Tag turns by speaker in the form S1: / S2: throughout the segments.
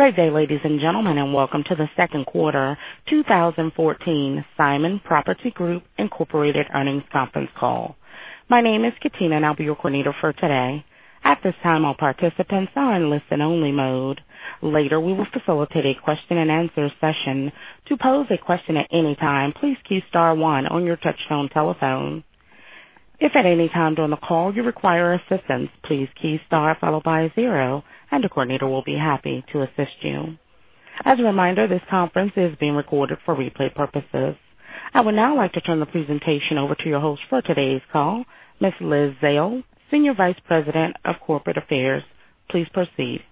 S1: Good day, ladies and gentlemen, welcome to the second quarter 2014 Simon Property Group Incorporated earnings conference call. My name is Katina, and I'll be your coordinator for today. At this time, all participants are in listen only mode. Later, we will facilitate a question and answer session. To pose a question at any time, please key star one on your touchtone telephone. If at any time during the call you require assistance, please key star followed by zero, and a coordinator will be happy to assist you. As a reminder, this conference is being recorded for replay purposes. I would now like to turn the presentation over to your host for today's call, Ms. Liz Zale, Senior Vice President of Corporate Affairs. Please proceed.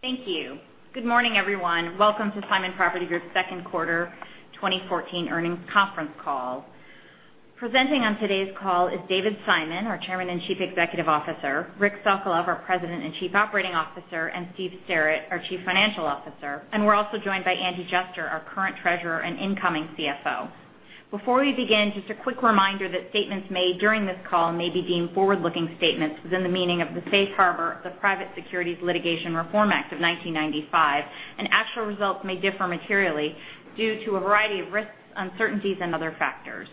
S2: Thank you. Good morning, everyone. Welcome to Simon Property Group's second quarter 2014 earnings conference call. Presenting on today's call is David Simon, our Chairman and Chief Executive Officer, Rick Sokolov, our President and Chief Operating Officer, Steve Sterrett, our Chief Financial Officer, and we're also joined by Andy Juster, our current treasurer and incoming CFO. Before we begin, just a quick reminder that statements made during this call may be deemed forward-looking statements within the meaning of the Safe Harbor of the Private Securities Litigation Reform Act of 1995. Actual results may differ materially due to a variety of risks, uncertainties, and other factors.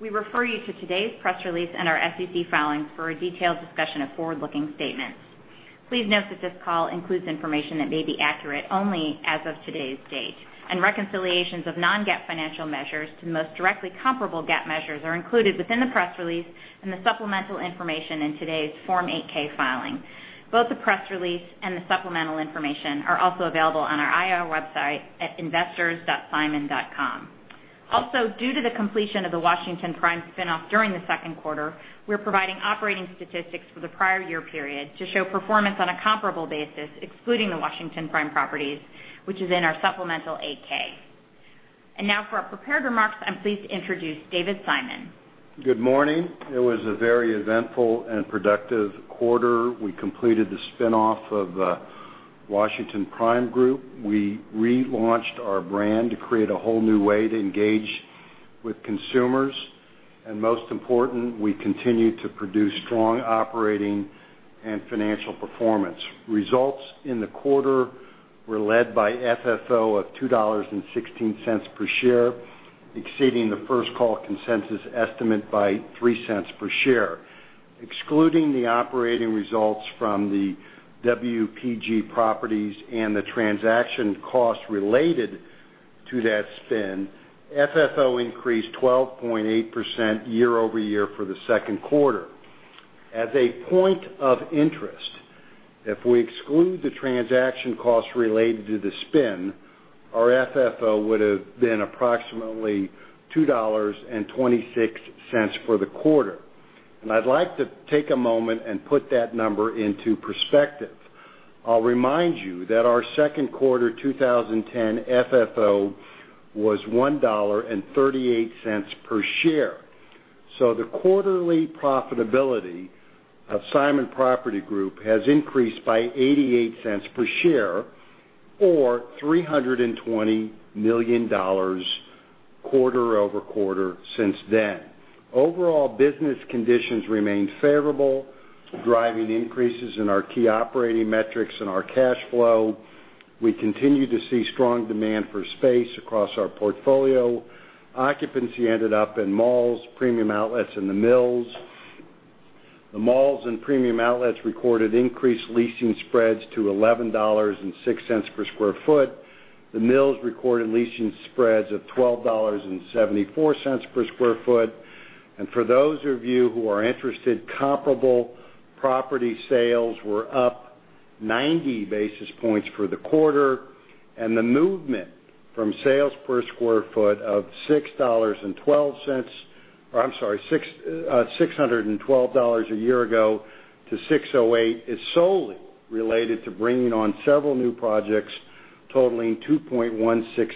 S2: We refer you to today's press release and our SEC filings for a detailed discussion of forward-looking statements. Please note that this call includes information that may be accurate only as of today's date. Reconciliations of non-GAAP financial measures to the most directly comparable GAAP measures are included within the press release and the supplemental information in today's Form 8-K filing. Both the press release and the supplemental information are also available on our IR website at investors.simon.com. Due to the completion of the Washington Prime spin-off during the second quarter, we're providing operating statistics for the prior year period to show performance on a comparable basis, excluding the Washington Prime properties, which is in our supplemental 8-K. Now for our prepared remarks, I'm pleased to introduce David Simon.
S3: Good morning. It was a very eventful and productive quarter. We completed the spin-off of Washington Prime Group. We relaunched our brand to create a whole new way to engage with consumers. Most important, we continue to produce strong operating and financial performance. Results in the quarter were led by FFO of $2.16 per share, exceeding the First Call consensus estimate by $0.03 per share. Excluding the operating results from the WPG properties and the transaction costs related to that spin, FFO increased 12.8% year-over-year for the second quarter. As a point of interest, if we exclude the transaction costs related to the spin, our FFO would have been approximately $2.26 for the quarter. I'd like to take a moment and put that number into perspective. I'll remind you that our second quarter 2010 FFO was $1.38 per share. The quarterly profitability of Simon Property Group has increased by $0.88 per share or $320 million quarter-over-quarter since then. Overall, business conditions remained favorable, driving increases in our key operating metrics and our cash flow. We continue to see strong demand for space across our portfolio. Occupancy ended up in malls, premium outlets, and the mills. The malls and premium outlets recorded increased leasing spreads to $11.06 per square foot. The mills recorded leasing spreads of $12.74 per square foot. For those of you who are interested, comparable property sales were up 90 basis points for the quarter, and the movement from sales per square foot of $6.12, or I'm sorry, $612 a year ago to $608 is solely related to bringing on several new projects totaling 2.16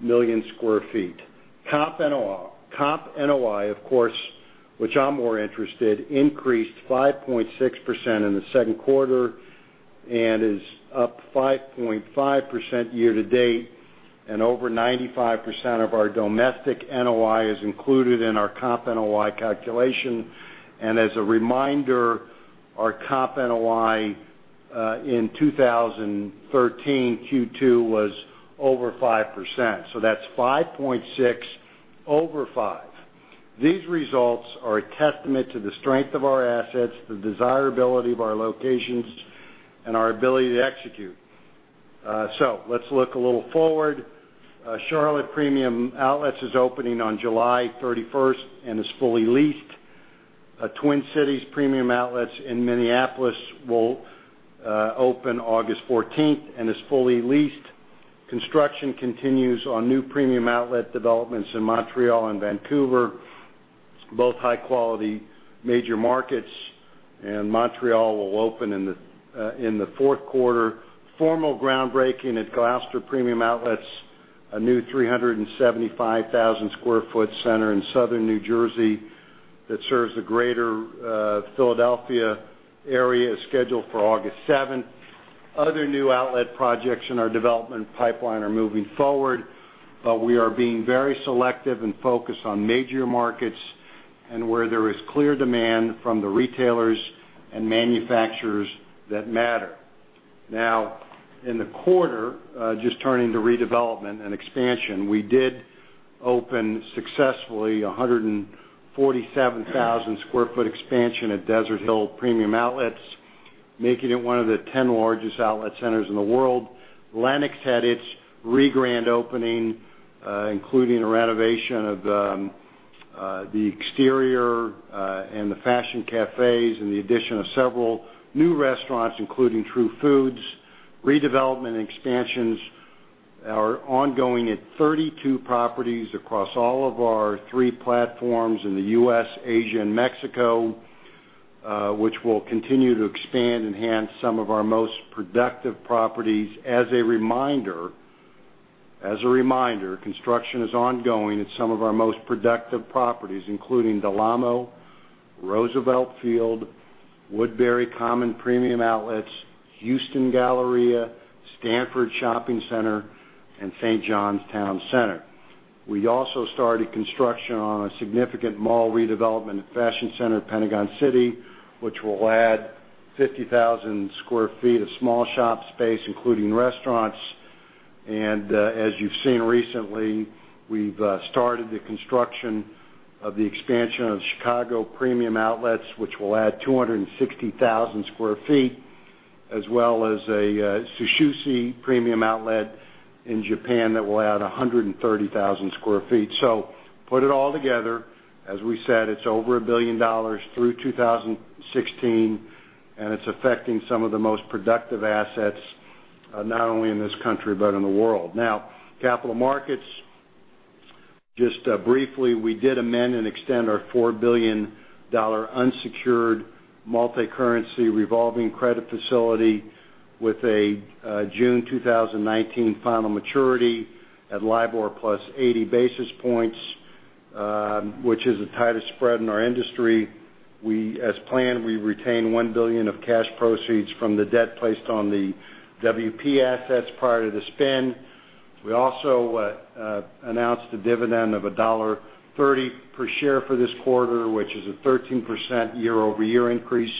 S3: million square feet. Comp NOI, of course, which I'm more interested, increased 5.6% in the second quarter and is up 5.5% year-to-date, and over 95% of our domestic NOI is included in our Comp NOI calculation. As a reminder, our Comp NOI in 2013 Q2 was over 5%. That's 5.6 over 5. These results are a testament to the strength of our assets, the desirability of our locations, and our ability to execute. Let's look a little forward. Charlotte Premium Outlets is opening on July 31st and is fully leased. Twin Cities Premium Outlets in Minneapolis will open August 14th and is fully leased. Construction continues on new premium outlet developments in Montreal and Vancouver, both high-quality major markets, Montreal will open in the fourth quarter. Formal groundbreaking at Gloucester Premium Outlets, a new 375,000 square foot center in southern New Jersey that serves the greater Philadelphia area, is scheduled for August 7th. Other new outlet projects in our development pipeline are moving forward. We are being very selective and focused on major markets and where there is clear demand from the retailers and manufacturers that matter. Now, in the quarter, just turning to redevelopment and expansion, we did open successfully 147,000 square foot expansion at Desert Hills Premium Outlets, making it one of the 10 largest outlet centers in the world. Lenox had its re-grand opening, including a renovation of the exterior and the fashion cafes and the addition of several new restaurants, including True Foods. Redevelopment and expansions are ongoing at 32 properties across all of our three platforms in the U.S., Asia, and Mexico, which will continue to expand and enhance some of our most productive properties. As a reminder, construction is ongoing at some of our most productive properties, including Del Amo, Roosevelt Field, Woodbury Common Premium Outlets, Houston Galleria, Stanford Shopping Center, and St. John's Town Center. We also started construction on a significant mall redevelopment at Fashion Centre at Pentagon City, which will add 50,000 square feet of small shop space, including restaurants. As you've seen recently, we've started the construction of the expansion of Chicago Premium Outlets, which will add 260,000 square feet, as well as a Shisui Premium Outlets in Japan that will add 130,000 square feet. Put it all together, as we said, it's over $1 billion through 2016, and it's affecting some of the most productive assets, not only in this country but in the world. Capital markets. Just briefly, we did amend and extend our $4 billion unsecured multi-currency revolving credit facility with a June 2019 final maturity at LIBOR plus 80 basis points, which is the tightest spread in our industry. As planned, we retained $1 billion of cash proceeds from the debt placed on the WP assets prior to the spin. We also announced a dividend of $1.30 per share for this quarter, which is a 13% year-over-year increase.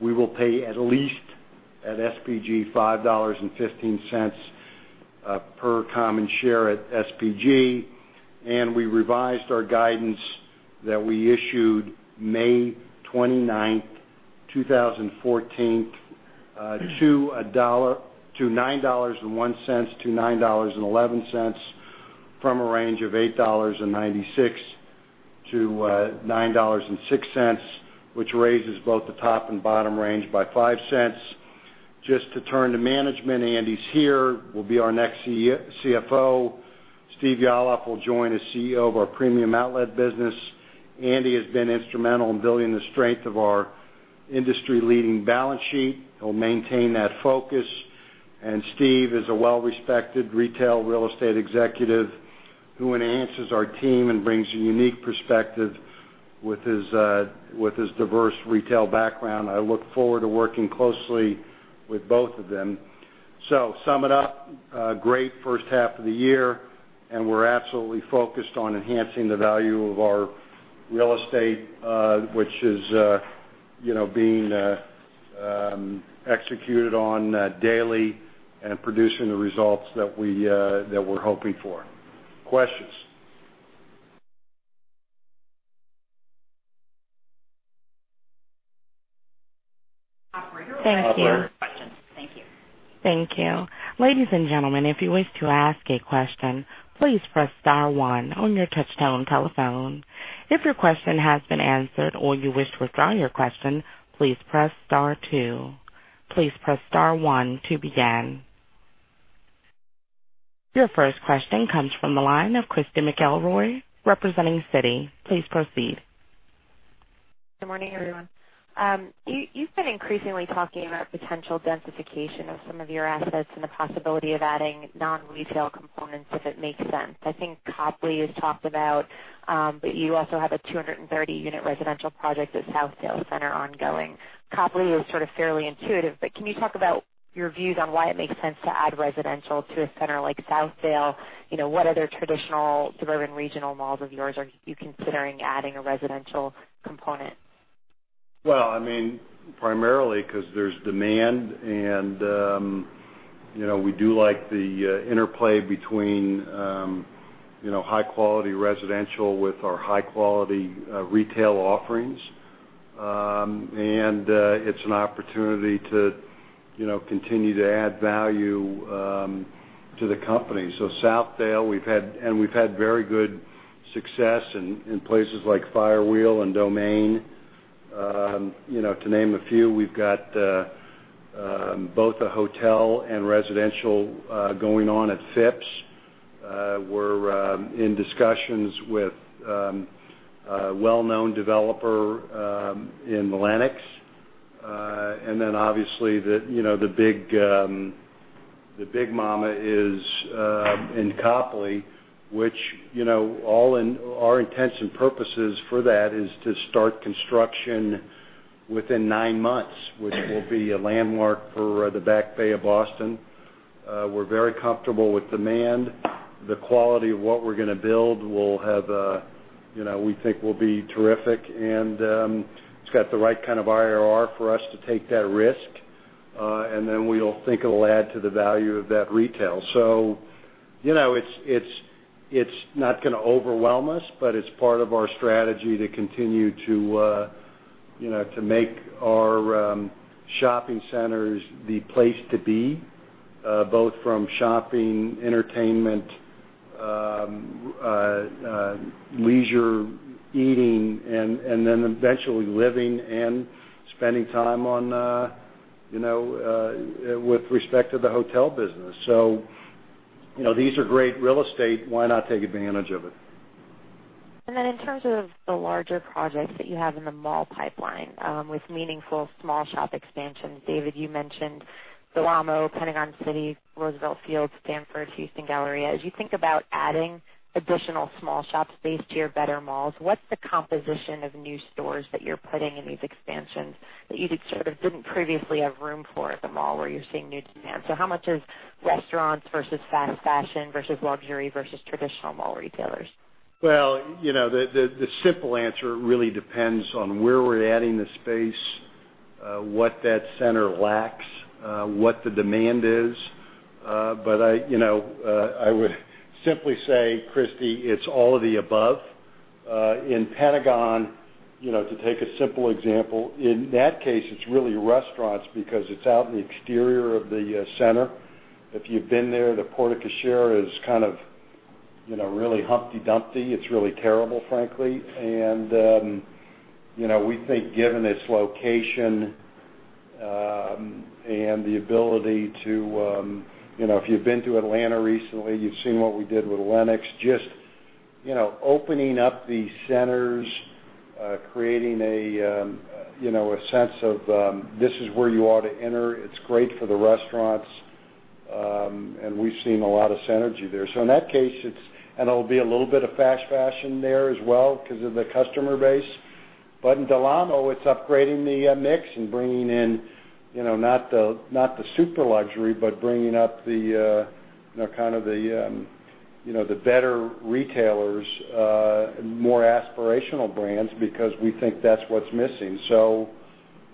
S3: We will pay at least at SPG $5.15 per common share at SPG, and we revised our guidance that we issued May 29, 2014, to $9.01-$9.11 from a range of $8.96-$9.06, which raises both the top and bottom range by $0.05. Just to turn to management, Andy's here, will be our next CFO. Steve Yalof will join as CEO of our Premium Outlets business. Andy has been instrumental in building the strength of our industry-leading balance sheet. He'll maintain that focus. Steve is a well-respected retail real estate executive who enhances our team and brings a unique perspective with his diverse retail background. I look forward to working closely with both of them. To sum it up, a great first half of the year, we're absolutely focused on enhancing the value of our real estate which is being executed on daily and producing the results that we're hoping for. Questions.
S2: Operator. Thank you. Questions. Thank you.
S1: Thank you. Ladies and gentlemen, if you wish to ask a question, please press star one on your touch-tone telephone. If your question has been answered or you wish to withdraw your question, please press star two. Please press star one to begin. Your first question comes from the line of Christy McElroy representing Citi. Please proceed.
S4: Good morning, everyone. You've been increasingly talking about potential densification of some of your assets and the possibility of adding non-retail components if it makes sense. I think Copley is talked about, but you also have a 230-unit residential project at Southdale Center ongoing. Copley is sort of fairly intuitive, but can you talk about your views on why it makes sense to add residential to a center like Southdale? What other traditional suburban regional malls of yours are you considering adding a residential component?
S3: Well, primarily because there's demand, and we do like the interplay between high-quality residential with our high-quality retail offerings. It's an opportunity to continue to add value to the company. Southdale, and we've had very good success in places like Firewheel and Domain, to name a few. We've got both a hotel and residential going on at Phipps. We're in discussions with a well-known developer in Lenox. Obviously, the big mama is in Copley, which all our intents and purposes for that is to start construction within nine months, which will be a landmark for the Back Bay of Boston. We're very comfortable with demand. The quality of what we're going to build, we think will be terrific, and it's got the right kind of IRR for us to take that risk. We think it'll add to the value of that retail. It's not going to overwhelm us, but it's part of our strategy to continue to make our shopping centers the place to be, both from shopping, entertainment, leisure, eating, and then eventually living and spending time with respect to the hotel business. These are great real estate, why not take advantage of it?
S2: In terms of the larger projects that you have in the mall pipeline, with meaningful small shop expansions, David, you mentioned Del Amo, Pentagon City, Roosevelt Field, Stanford, Houston Galleria. As you think about adding additional small shop space to your better malls, what's the composition of new stores that you're putting in these expansions that you sort of didn't previously have room for at the mall where you're seeing new demand? How much is restaurants versus fast fashion versus luxury versus traditional mall retailers?
S3: The simple answer really depends on where we're adding the space, what that center lacks, what the demand is. I would simply say, Christy, it's all of the above. In Pentagon, to take a simple example, in that case, it's really restaurants because it's out in the exterior of the center. If you've been there, the porte cochere is kind of really Humpty Dumpty. It's really terrible, frankly. We think, given its location, if you've been to Atlanta recently, you've seen what we did with Lenox, just opening up the centers, creating a sense of, this is where you ought to enter. It's great for the restaurants. We've seen a lot of synergy there. In that case, it'll be a little bit of fast fashion there as well because of the customer base. In Del Amo, it's upgrading the mix and bringing in not the super luxury, but bringing up the kind of the better retailers, more aspirational brands, because we think that's what's missing.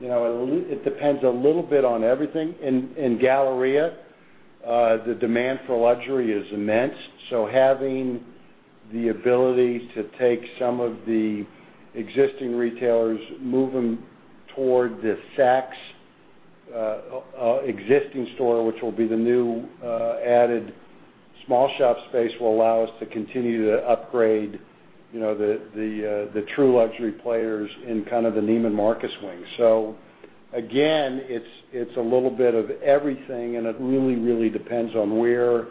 S3: It depends a little bit on everything. In Galleria, the demand for luxury is immense, having the ability to take some of the existing retailers, move them toward the Saks existing store, which will be the new added small shop space, will allow us to continue to upgrade the true luxury players in kind of the Neiman Marcus wing. Again, it's a little bit of everything, and it really depends on where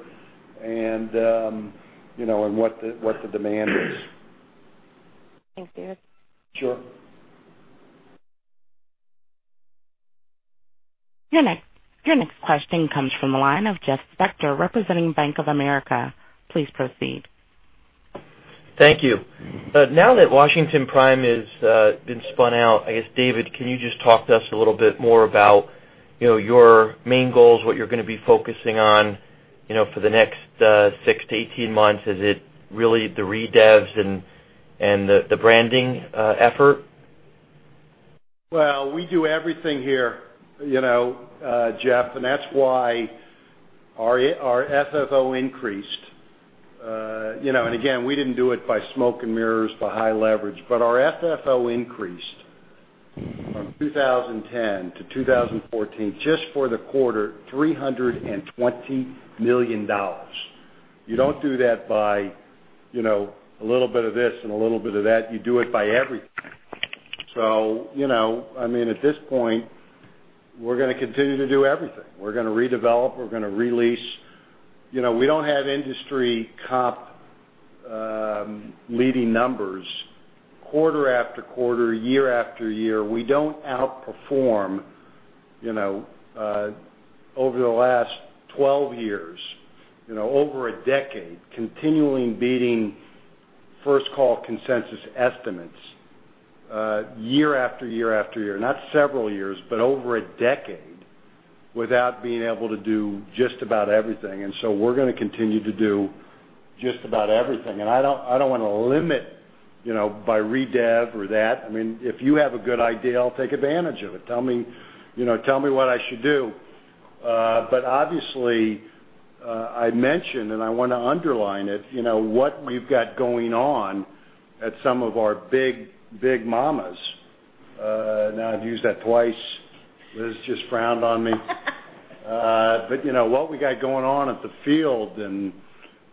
S3: and what the demand is.
S2: Thanks, David.
S3: Sure.
S1: Your next question comes from the line of Jeff Spector, representing Bank of America. Please proceed.
S5: Thank you. Now that Washington Prime has been spun out, I guess, David, can you just talk to us a little bit more about your main goals, what you're going to be focusing on for the next six to 18 months? Is it really the redevs and the branding effort?
S3: We do everything here, Jeff, and that's why our FFO increased. Again, we didn't do it by smoke and mirrors, by high leverage, but our FFO increased from 2010 to 2014, just for the quarter, $320 million. You don't do that by a little bit of this and a little bit of that. You do it by everything. At this point, we're going to continue to do everything. We're going to redevelop. We're going to release. We don't have industry comp leading numbers quarter after quarter, year after year. We don't outperform over the last 12 years, over a decade, continually beating First Call consensus estimates year after year after year. Not several years, but over a decade without being able to do just about everything. We're going to continue to do just about everything. I don't want to limit by redev or that. If you have a good idea, I'll take advantage of it. Tell me what I should do. Obviously, I mentioned, and I want to underline it, what we've got going on at some of our big mamas. Now I've used that twice. Liz just frowned on me. What we got going on at The Field and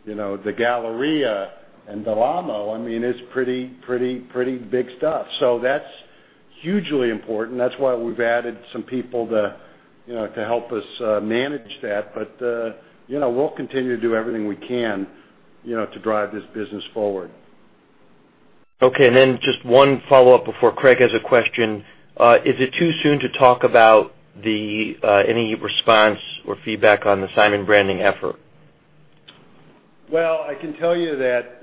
S3: The Galleria and Del Amo, it's pretty big stuff. That's hugely important. That's why we've added some people to help us manage that. We'll continue to do everything we can to drive this business forward.
S5: Okay, just one follow-up before Craig has a question. Is it too soon to talk about any response or feedback on the Simon branding effort?
S3: Well, I can tell you that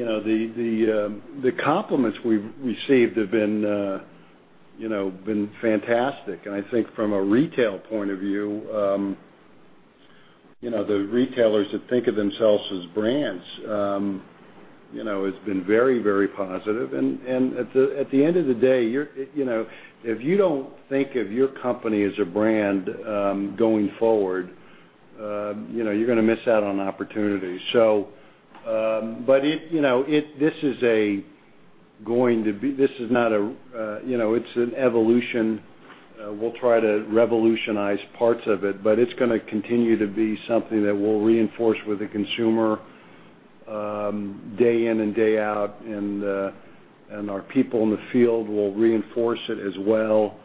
S3: the compliments we've received have been fantastic, I think from a retail point of view, the retailers that think of themselves as brands, it's been very positive at the end of the day, if you don't think of your company as a brand going forward, you're going to miss out on opportunities. It's an evolution. We'll try to revolutionize parts of it's going to continue to be something that we'll reinforce with the consumer day in and day out, our people in the field will reinforce it as well.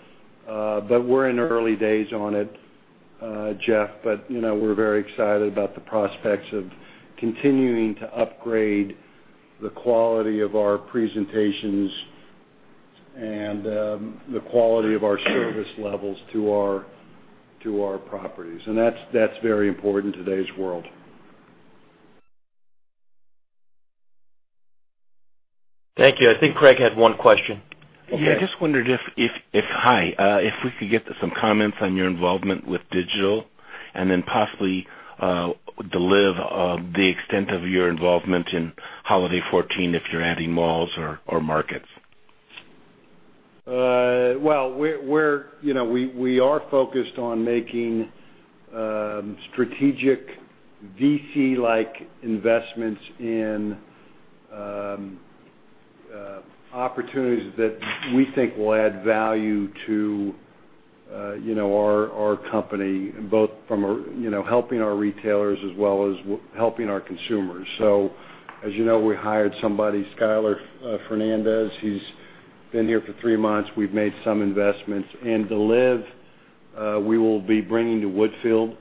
S3: We're in early days on it, Jeff, we're very excited about the prospects of continuing to upgrade the quality of our presentations and the quality of our service levels to our properties. That's very important in today's world.
S5: Thank you. I think Craig had one question.
S6: Yeah. Hi. I just wondered if we could get some comments on your involvement with digital, then possibly the extent of your involvement in holiday 2014, if you're adding malls or markets.
S3: Well, we are focused on making strategic VC-like investments in opportunities that we think will add value to our company, both from helping our retailers as well as helping our consumers. As you know, we hired somebody, Skyler Fernandes. He's been here for three months. We've made some investments. Deliv, we will be bringing to Woodfield.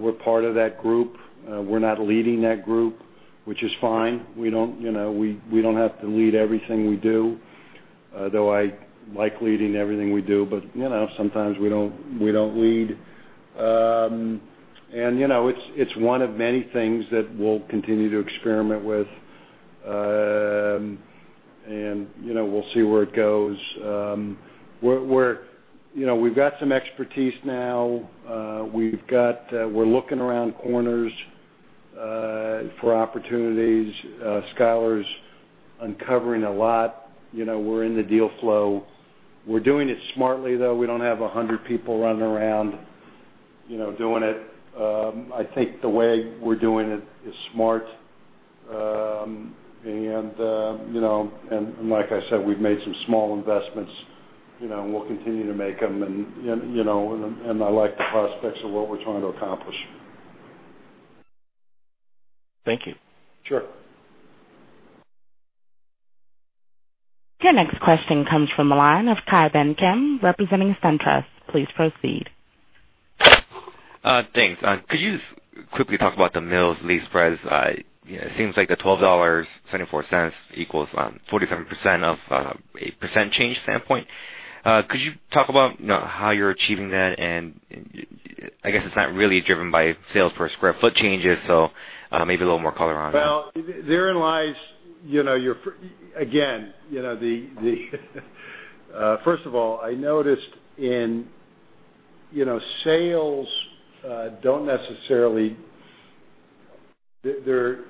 S3: We're part of that group. We're not leading that group, which is fine. We don't have to lead everything we do, though I like leading everything we do but sometimes we don't lead. It's one of many things that we'll continue to experiment with, and we'll see where it goes. We've got some expertise now. We're looking around corners for opportunities. Skyler's uncovering a lot. We're in the deal flow. We're doing it smartly, though. We don't have 100 people running around doing it. I think the way we're doing it is smart. Like I said, we've made some small investments, and we'll continue to make them, and I like the prospects of what we're trying to accomplish.
S6: Thank you.
S3: Sure.
S1: Your next question comes from the line of Ki Bin Kim, representing SunTrust. Please proceed.
S7: Thanks. Could you quickly talk about the Mills lease price? It seems like the $12.74 equals 47% of a % change standpoint. Could you talk about how you're achieving that? I guess it's not really driven by sales per square foot changes, so maybe a little more color on that.
S3: Well, therein lies first of all,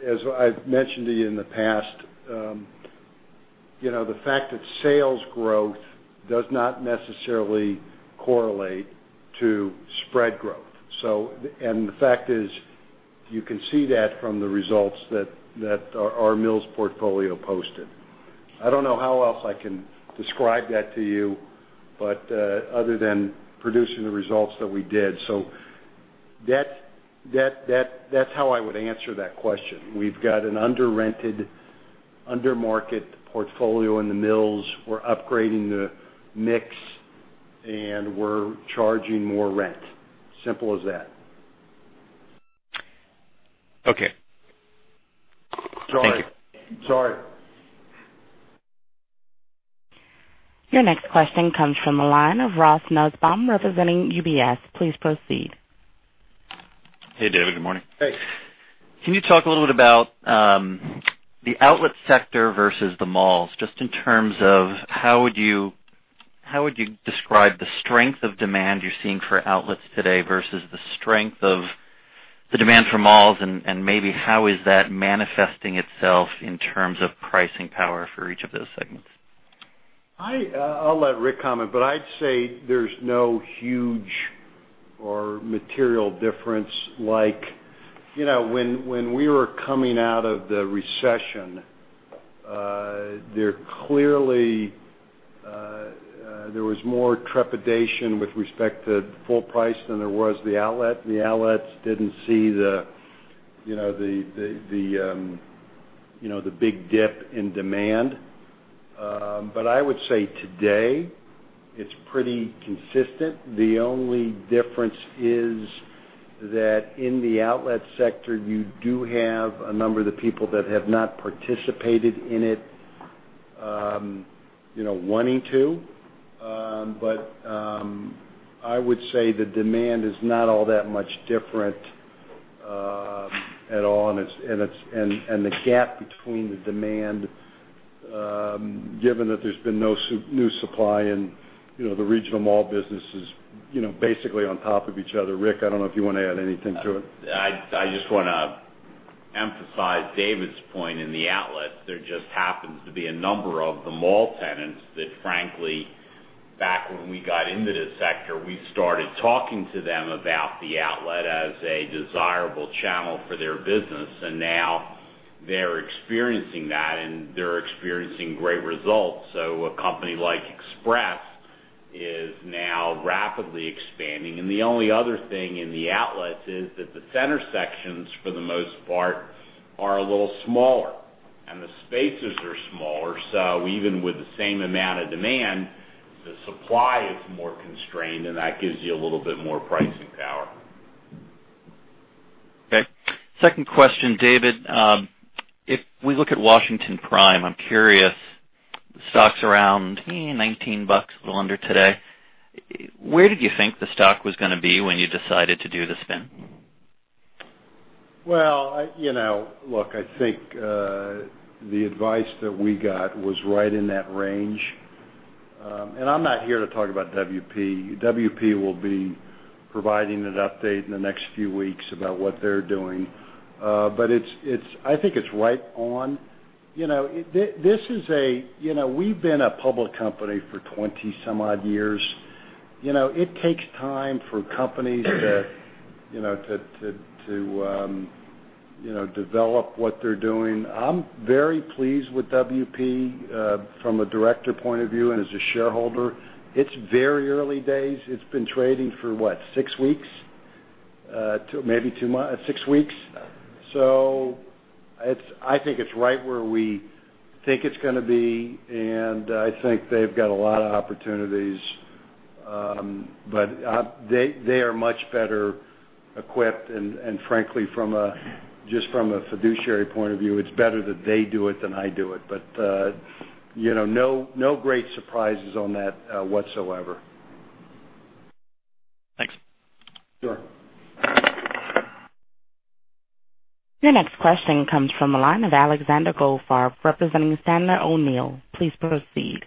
S3: As I've mentioned to you in the past, the fact that sales growth does not necessarily correlate to spread growth. The fact is, you can see that from the results that our Mills portfolio posted. I don't know how else I can describe that to you, but other than producing the results that we did. That's how I would answer that question. We've got an under-rented, under-market portfolio in the Mills. We're upgrading the mix, and we're charging more rent. Simple as that.
S7: Okay. Thank you.
S3: Sorry.
S1: Your next question comes from the line of Ross Nussbaum, representing UBS. Please proceed.
S8: Hey, David. Good morning.
S3: Hey.
S8: Can you talk a little bit about the outlet sector versus the malls, just in terms of how would you describe the strength of demand you're seeing for outlets today versus the strength of the demand for malls, and maybe how is that manifesting itself in terms of pricing power for each of those segments?
S3: I'll let Rick comment, but I'd say there's no huge or material difference. When we were coming out of the recession, there was more trepidation with respect to full price than there was the outlet. The outlets didn't see the big dip in demand. I would say today, it's pretty consistent. The only difference is, that in the outlet sector, you do have a number of the people that have not participated in it wanting to. I would say the demand is not all that much different at all, and the gap between the demand, given that there's been no new supply and the regional mall business is basically on top of each other. Rick, I don't know if you want to add anything to it.
S9: I just want to emphasize David's point in the outlets. There just happens to be a number of the mall tenants that, frankly, back when we got into this sector, we started talking to them about the outlet as a desirable channel for their business, and now they're experiencing that and they're experiencing great results. A company like Express is now rapidly expanding. The only other thing in the outlets is that the center sections, for the most part, are a little smaller and the spaces are smaller. Even with the same amount of demand, the supply is more constrained, and that gives you a little bit more pricing power.
S8: Okay. Second question, David. If we look at Washington Prime, I'm curious, the stock's around $19, a little under today. Where did you think the stock was going to be when you decided to do the spin?
S3: Well, look, I think the advice that we got was right in that range. I'm not here to talk about WP. WP will be providing an update in the next few weeks about what they're doing. I think it's right on. We've been a public company for 20-some odd years. It takes time for companies to develop what they're doing. I'm very pleased with WP from a director point of view and as a shareholder. It's very early days. It's been trading for what, six weeks? Maybe two months. Six weeks. I think it's right where we think it's going to be. I think they've got a lot of opportunities. They are much better equipped. Frankly, just from a fiduciary point of view, it's better that they do it than I do it. No great surprises on that whatsoever.
S8: Thanks.
S3: Sure.
S1: Your next question comes from the line of Alexander Goldfarb, representing Sandler O'Neill. Please proceed.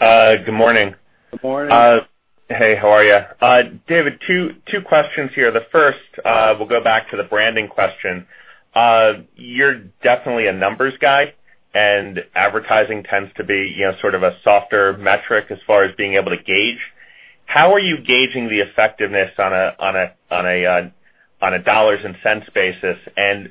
S10: Good morning.
S3: Good morning.
S10: Hey, how are you? David, two questions here. The first, we'll go back to the branding question. You're definitely a numbers guy, and advertising tends to be sort of a softer metric as far as being able to gauge. How are you gauging the effectiveness on a dollars and cents basis, and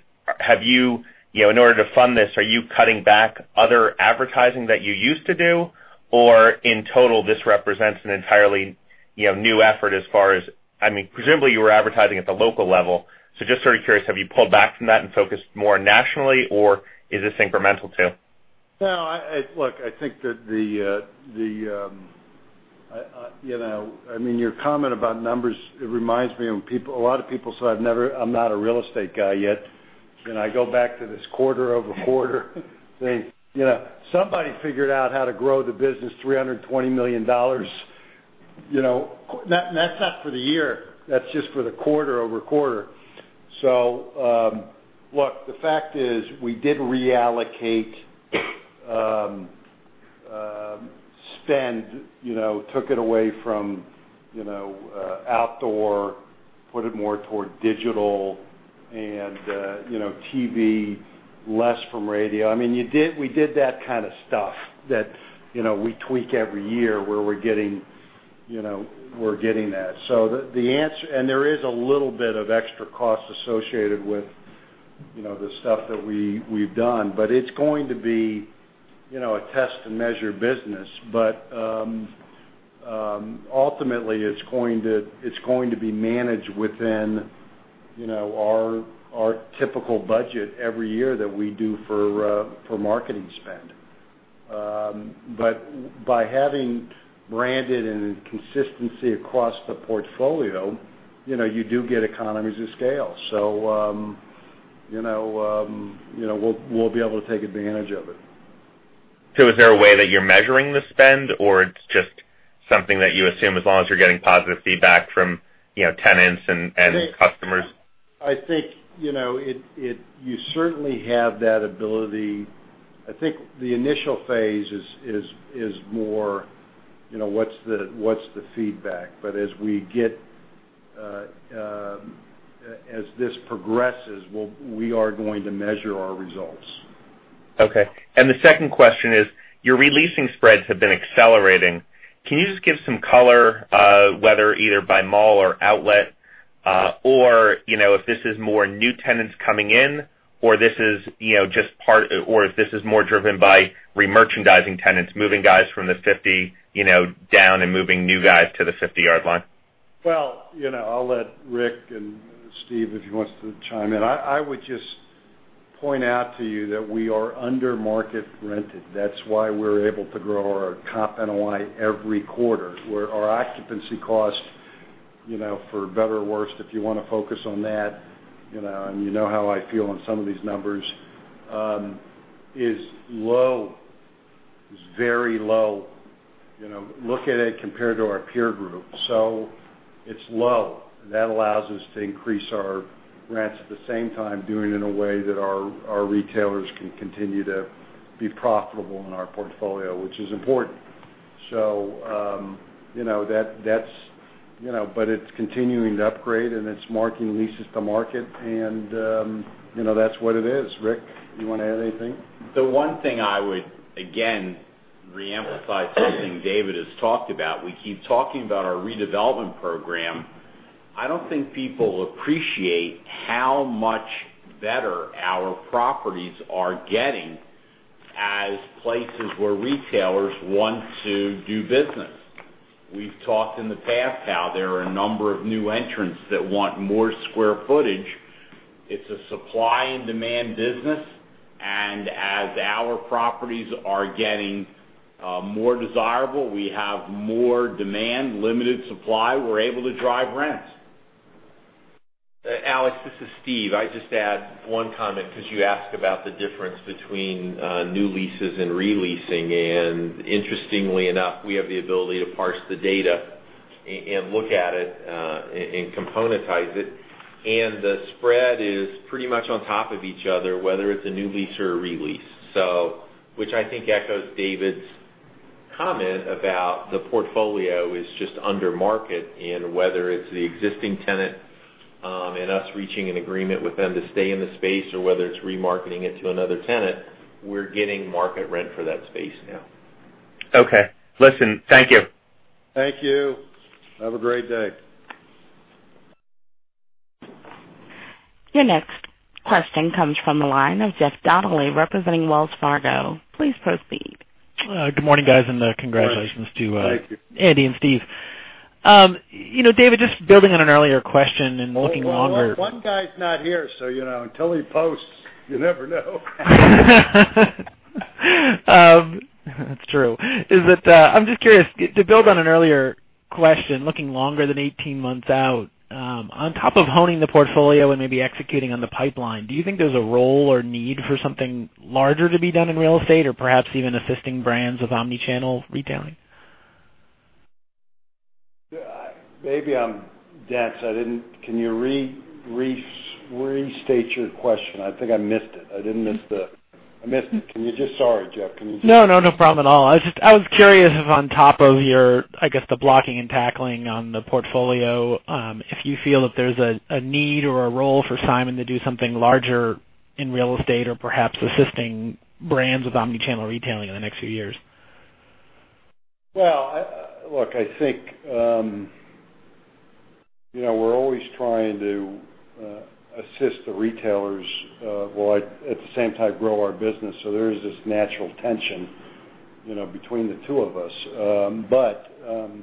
S10: in order to fund this, are you cutting back other advertising that you used to do? Or in total, this represents an entirely new effort as far as. Presumably, you were advertising at the local level. Just sort of curious, have you pulled back from that and focused more nationally, or is this incremental, too?
S3: No, look, your comment about numbers, it reminds me of a lot of people said I'm not a real estate guy yet, I go back to this quarter-over-quarter thing. Somebody figured out how to grow the business $320 million. That's not for the year. That's just for the quarter-over-quarter. Look, the fact is we did reallocate spend, took it away from outdoor, put it more toward digital and TV, less from radio. We did that kind of stuff that we tweak every year where we're getting that. There is a little bit of extra cost associated with the stuff that we've done. It's going to be a test to measure business. Ultimately, it's going to be managed within our typical budget every year that we do for marketing spend. By having branded and consistency across the portfolio, you do get economies of scale. We'll be able to take advantage of it.
S10: Is there a way that you're measuring the spend, or it's just something that you assume as long as you're getting positive feedback from tenants and customers?
S3: I think you certainly have that ability. I think the initial phase is more what's the feedback. As this progresses, we are going to measure our results.
S10: Okay. The second question is, your releasing spreads have been accelerating. Can you just give some color, whether either by mall or outlet, or if this is more new tenants coming in, or if this is more driven by remerchandising tenants, moving guys from the 50 down and moving new guys to the 50-yard line?
S3: Well, I'll let Rick and Steve, if he wants to chime in. Point out to you that we are under market rented. That's why we're able to grow our Comp NOI every quarter. Where our occupancy cost, for better or worse, if you want to focus on that, and you know how I feel on some of these numbers, is low. Is very low. Look at it compared to our peer group. It's low. That allows us to increase our rents, at the same time, doing it in a way that our retailers can continue to be profitable in our portfolio, which is important. It's continuing to upgrade, and it's marking leases to market, and that's what it is. Rick, you want to add anything?
S9: The one thing I would, again, re-emphasize something David has talked about. We keep talking about our redevelopment program. I don't think people appreciate how much better our properties are getting as places where retailers want to do business. We've talked in the past how there are a number of new entrants that want more square footage. It's a supply and demand business, and as our properties are getting more desirable, we have more demand, limited supply. We're able to drive rents.
S11: Alex, this is Steve. I'd just add one comment, because you asked about the difference between new leases and re-leasing. Interestingly enough, we have the ability to parse the data and look at it and componentize it. The spread is pretty much on top of each other, whether it's a new lease or a re-lease. Which I think echoes David's comment about the portfolio is just under market, and whether it's the existing tenant and us reaching an agreement with them to stay in the space or whether it's remarketing it to another tenant, we're getting market rent for that space now.
S10: Okay. Listen, thank you.
S3: Thank you. Have a great day.
S1: Your next question comes from the line of Jeff Donnelly, representing Wells Fargo. Please proceed.
S12: Good morning, guys, and congratulations.
S3: Good morning. Thank you.
S12: Andy and Steve. David, just building on an earlier question and looking longer-
S3: Well, one guy's not here, so until he posts, you never know.
S12: That's true. I'm just curious, to build on an earlier question, looking longer than 18 months out, on top of honing the portfolio and maybe executing on the pipeline, do you think there's a role or need for something larger to be done in real estate or perhaps even assisting brands with omni-channel retailing?
S3: Maybe I'm dense. Can you restate your question? I think I missed it. Sorry, Jeff. Can you just-
S12: No, no problem at all. I was curious if on top of your, I guess, the blocking and tackling on the portfolio, if you feel that there's a need or a role for Simon to do something larger in real estate or perhaps assisting brands with omni-channel retailing in the next few years.
S3: Look, I think, we're always trying to assist the retailers while at the same time grow our business. There is this natural tension between the two of us.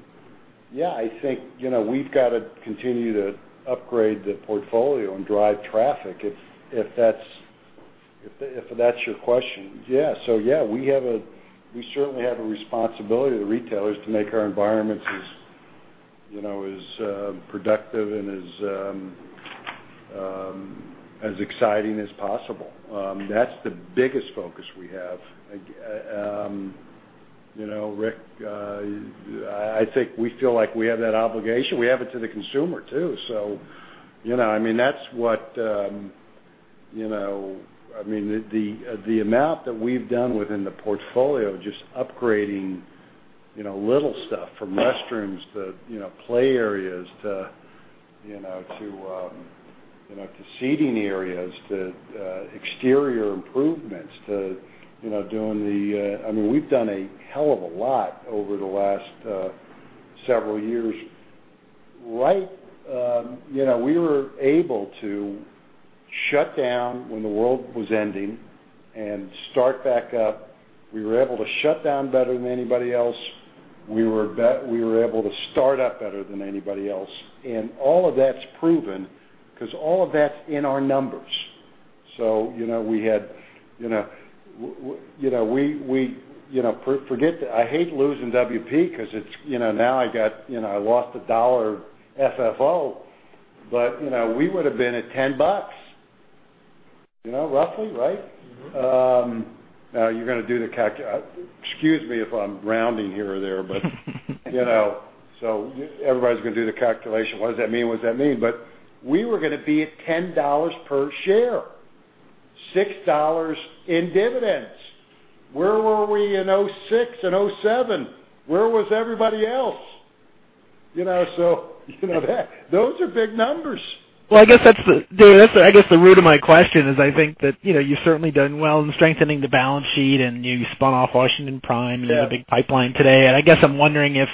S3: Yeah, I think we've got to continue to upgrade the portfolio and drive traffic, if that's your question. Yeah, we certainly have a responsibility to the retailers to make our environments as productive and as exciting as possible. That's the biggest focus we have. Rick, I think we feel like we have that obligation. We have it to the consumer, too. The amount that we've done within the portfolio, just upgrading little stuff, from restrooms to play areas to seating areas to exterior improvements. We've done a hell of a lot over the last several years. We were able to shut down when the world was ending and start back up. We were able to shut down better than anybody else. We were able to start up better than anybody else, all of that's proven because all of that's in our numbers. I hate losing WPG because now I lost $1 of FFO, we would've been at $10, roughly, right? Excuse me if I'm rounding here or there. Everybody's going to do the calculation. "What does that mean? What does that mean?" We were going to be at $10 per share, $6 in dividends. Where were we in 2006 and 2007? Where was everybody else? Those are big numbers.
S12: Well, David, I guess the root of my question is I think that you've certainly done well in strengthening the balance sheet and you spun off Washington Prime.
S3: Yeah
S12: You have a big pipeline today. I guess I'm wondering if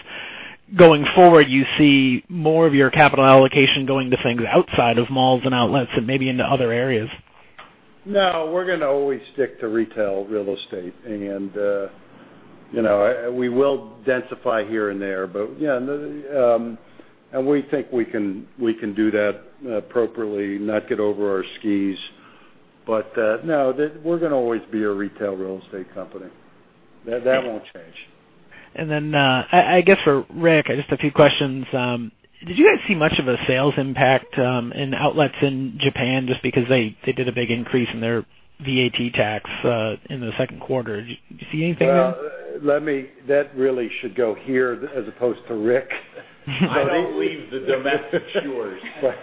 S12: going forward, you see more of your capital allocation going to things outside of malls and outlets and maybe into other areas.
S3: No, we're going to always stick to retail real estate. We will densify here and there. Yeah, and we think we can do that appropriately, not get over our skis. No, we're going to always be a retail real estate company. That won't change.
S12: Then, I guess for Rick, just a few questions. Did you guys see much of a sales impact in outlets in Japan, just because they did a big increase in their VAT tax in the second quarter? Did you see anything there?
S3: That really should go here as opposed to Rick.
S9: I don't leave the domestic shores.
S3: The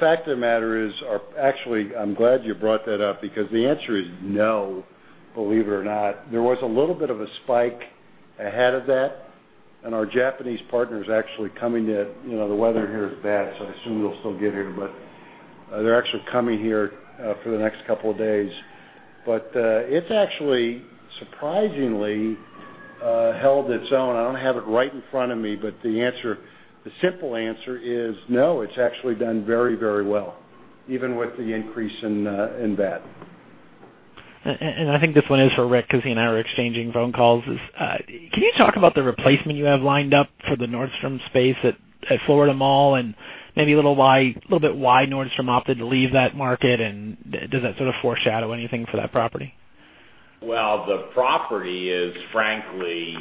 S3: fact of the matter is, actually, I'm glad you brought that up, because the answer is no, believe it or not. There was a little bit of a spike ahead of that. Our Japanese partner is actually coming to-- the weather here is bad, so I assume they'll still get here, but they're actually coming here for the next couple of days. It's actually surprisingly held its own. I don't have it right in front of me, but the simple answer is no. It's actually done very well, even with the increase in that.
S12: I think this one is for Rick, because he and I were exchanging phone calls. Can you talk about the replacement you have lined up for the Nordstrom space at Florida Mall, and maybe a little bit why Nordstrom opted to leave that market, and does that sort of foreshadow anything for that property?
S9: Well, the property is frankly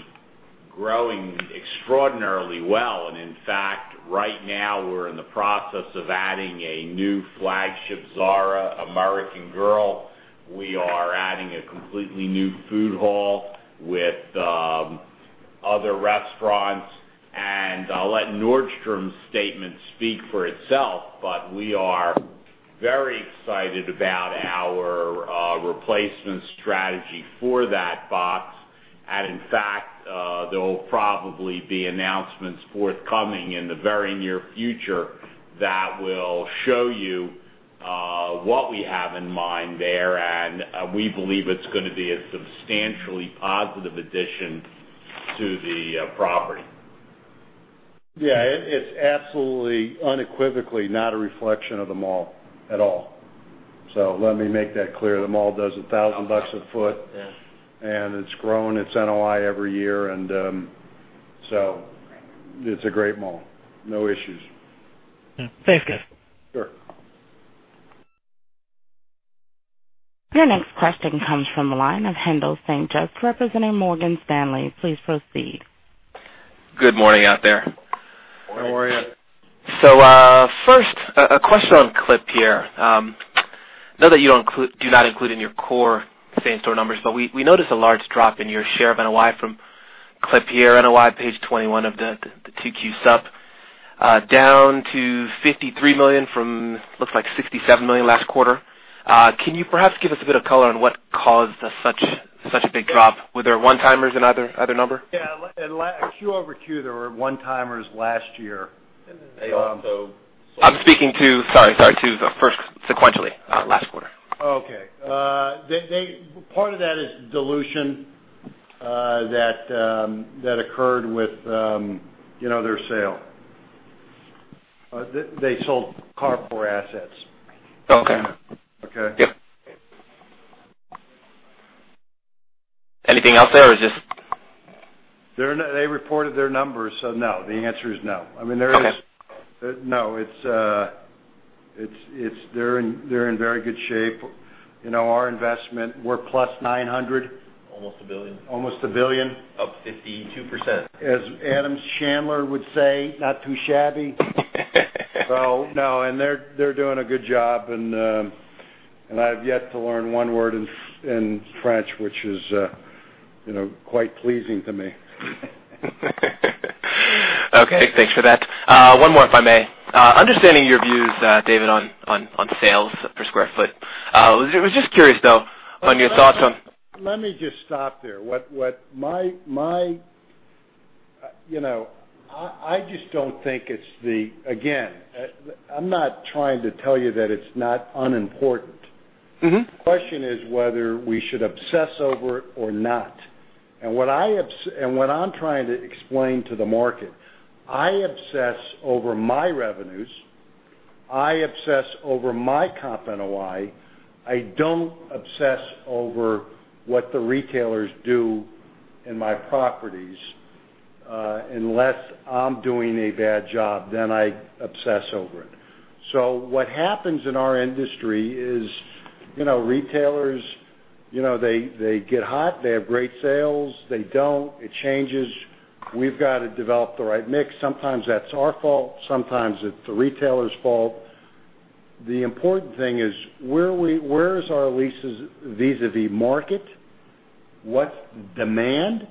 S9: growing extraordinarily well. In fact, right now, we're in the process of adding a new flagship, Zara, American Girl. We are adding a completely new food hall with other restaurants. I'll let Nordstrom's statement speak for itself, but we are very excited about our replacement strategy for that box. In fact, there will probably be announcements forthcoming in the very near future that will show you what we have in mind there, and we believe it's going to be a substantially positive addition to the property.
S3: Yeah. It's absolutely, unequivocally not a reflection of the mall at all. Let me make that clear. The mall does $1,000 a foot.
S9: Yeah.
S3: It's grown its NOI every year. It's a great mall. No issues.
S12: Thanks, guys.
S3: Sure.
S1: Your next question comes from the line of Haendel St. Juste representing Morgan Stanley. Please proceed.
S13: Good morning out there.
S3: Good morning.
S9: Morning.
S13: First, a question on Klépierre. Know that you do not include in your core same store numbers, but we noticed a large drop in your share of NOI from Klépierre, NOI page 21 of the 2Q sup, down to $53 million from, looks like $67 million last quarter. Can you perhaps give us a bit of color on what caused such a big drop? Were there one-timers in either number?
S3: Yeah. Q over Q, there were one-timers last year.
S9: They also-
S13: I'm speaking to, sorry, first sequentially, last quarter.
S3: Okay. Part of that is dilution that occurred with their sale. They sold core assets.
S13: Okay.
S3: Okay?
S13: Yep. Anything else there or just
S3: They reported their numbers, no. The answer is no.
S13: Okay.
S3: No. They're in very good shape. Our investment, we're plus $900.
S9: Almost $1 billion.
S3: Almost a billion.
S9: Up 52%.
S3: As Adam Chandler would say, "Not too shabby." No, and they're doing a good job, and I've yet to learn one word in French, which is quite pleasing to me.
S13: Okay. Thanks for that. One more, if I may. Understanding your views, David, on sales per square foot. I was just curious, though, on your thoughts on.
S3: Let me just stop there. I just don't think it's Again, I'm not trying to tell you that it's not unimportant. The question is whether we should obsess over it or not. What I'm trying to explain to the market, I obsess over my revenues. I obsess over my Comp NOI. I don't obsess over what the retailers do in my properties. Unless I'm doing a bad job, then I obsess over it. What happens in our industry is retailers, they get hot. They have great sales. They don't. It changes. We've got to develop the right mix. Sometimes that's our fault. Sometimes it's the retailer's fault. The important thing is where is our leases vis-à-vis market? What's demand?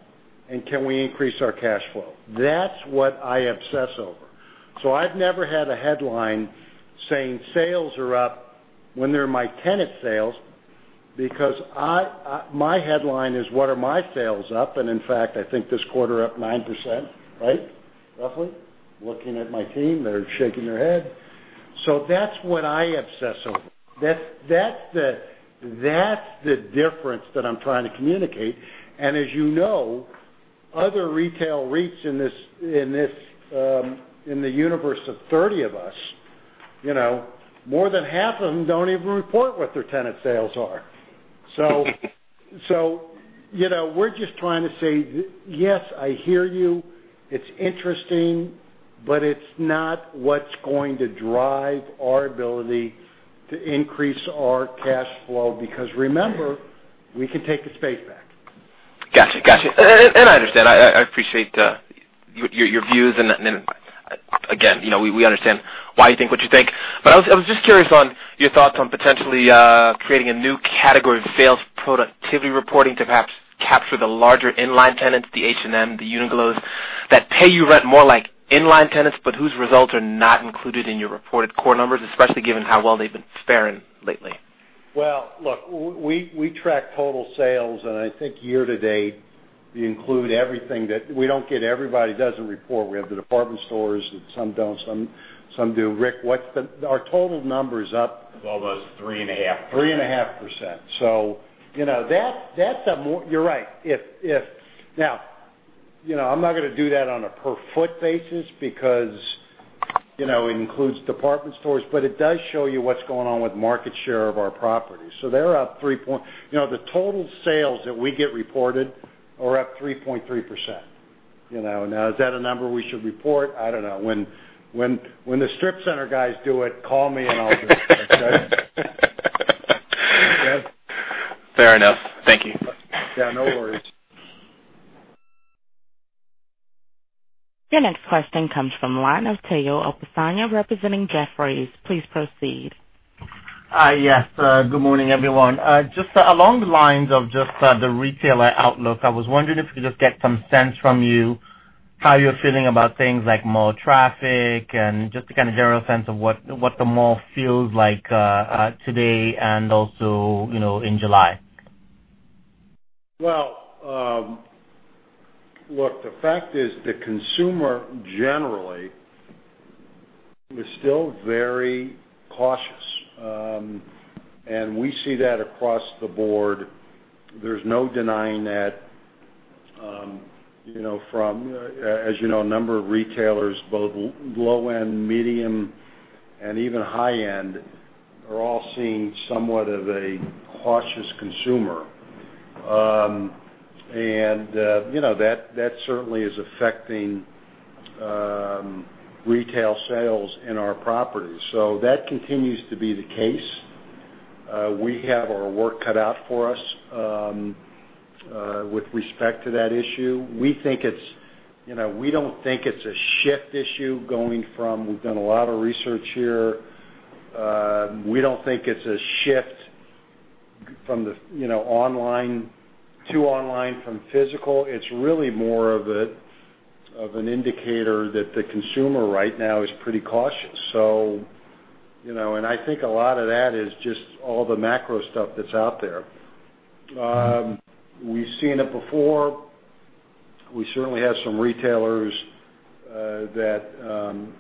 S3: Can we increase our cash flow? That's what I obsess over. I've never had a headline saying sales are up when they're my tenant sales, because my headline is what are my sales up, and in fact, I think this quarter up 9%, right? Roughly? Looking at my team, they're shaking their head. That's what I obsess over. That's the difference that I'm trying to communicate. As you know, other retail REITs in the universe of 30 of us More than half of them don't even report what their tenant sales are. We're just trying to say, "Yes, I hear you. It's interesting, but it's not what's going to drive our ability to increase our cash flow." Because remember, we can take the space back.
S13: Got you. I understand. I appreciate your views and again, we understand why you think what you think. I was just curious on your thoughts on potentially creating a new category of sales productivity reporting to perhaps capture the larger in-line tenants, the H&M, the Uniqlo, that pay you rent more like in-line tenants, but whose results are not included in your reported core numbers, especially given how well they've been faring lately.
S3: Well, look, we track total sales. I think year to date, we include everything that We don't get everybody, doesn't report. We have the department stores, some don't, some do. Rick, our total number is up-
S9: It's almost 3.5%.
S3: 3.5%. You're right. I'm not going to do that on a per foot basis because, it includes department stores, but it does show you what's going on with market share of our properties. The total sales that we get reported are up 3.3%. Is that a number we should report? I don't know. When the strip center guys do it, call me and I'll do it. Okay? Yeah.
S13: Fair enough. Thank you.
S3: Yeah, no worries.
S1: Your next question comes from line of Omotayo Okusanya representing Jefferies. Please proceed.
S14: Yes, good morning, everyone. Just along the lines of just the retailer outlook, I was wondering if we could just get some sense from you how you're feeling about things like mall traffic and just a kind of general sense of what the mall feels like today and also in July.
S3: Well, look, the fact is the consumer, generally, is still very cautious. We see that across the board. There's no denying that, as you know, a number of retailers, both low-end, medium, and even high-end, are all seeing somewhat of a cautious consumer. That certainly is affecting retail sales in our properties. That continues to be the case. We have our work cut out for us, with respect to that issue. We don't think it's a shift issue. We've done a lot of research here. We don't think it's a shift to online from physical. It's really more of an indicator that the consumer right now is pretty cautious. I think a lot of that is just all the macro stuff that's out there. We've seen it before. We certainly have some retailers that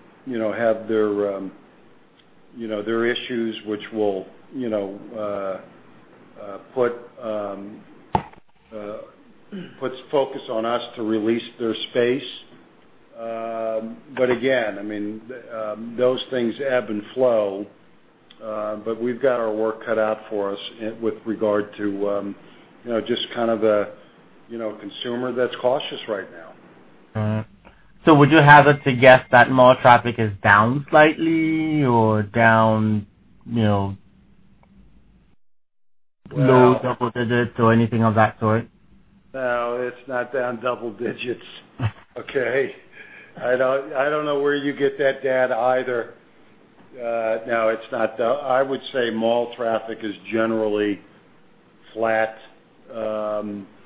S3: have their issues, which will put focus on us to release their space. Again, those things ebb and flow. We've got our work cut out for us with regard to just the consumer that's cautious right now.
S14: Would you hazard to guess that mall traffic is down slightly or down low double digits or anything of that sort?
S3: No, it's not down double digits. Okay. I don't know where you get that data either. No, it's not though. I would say mall traffic is generally flat. The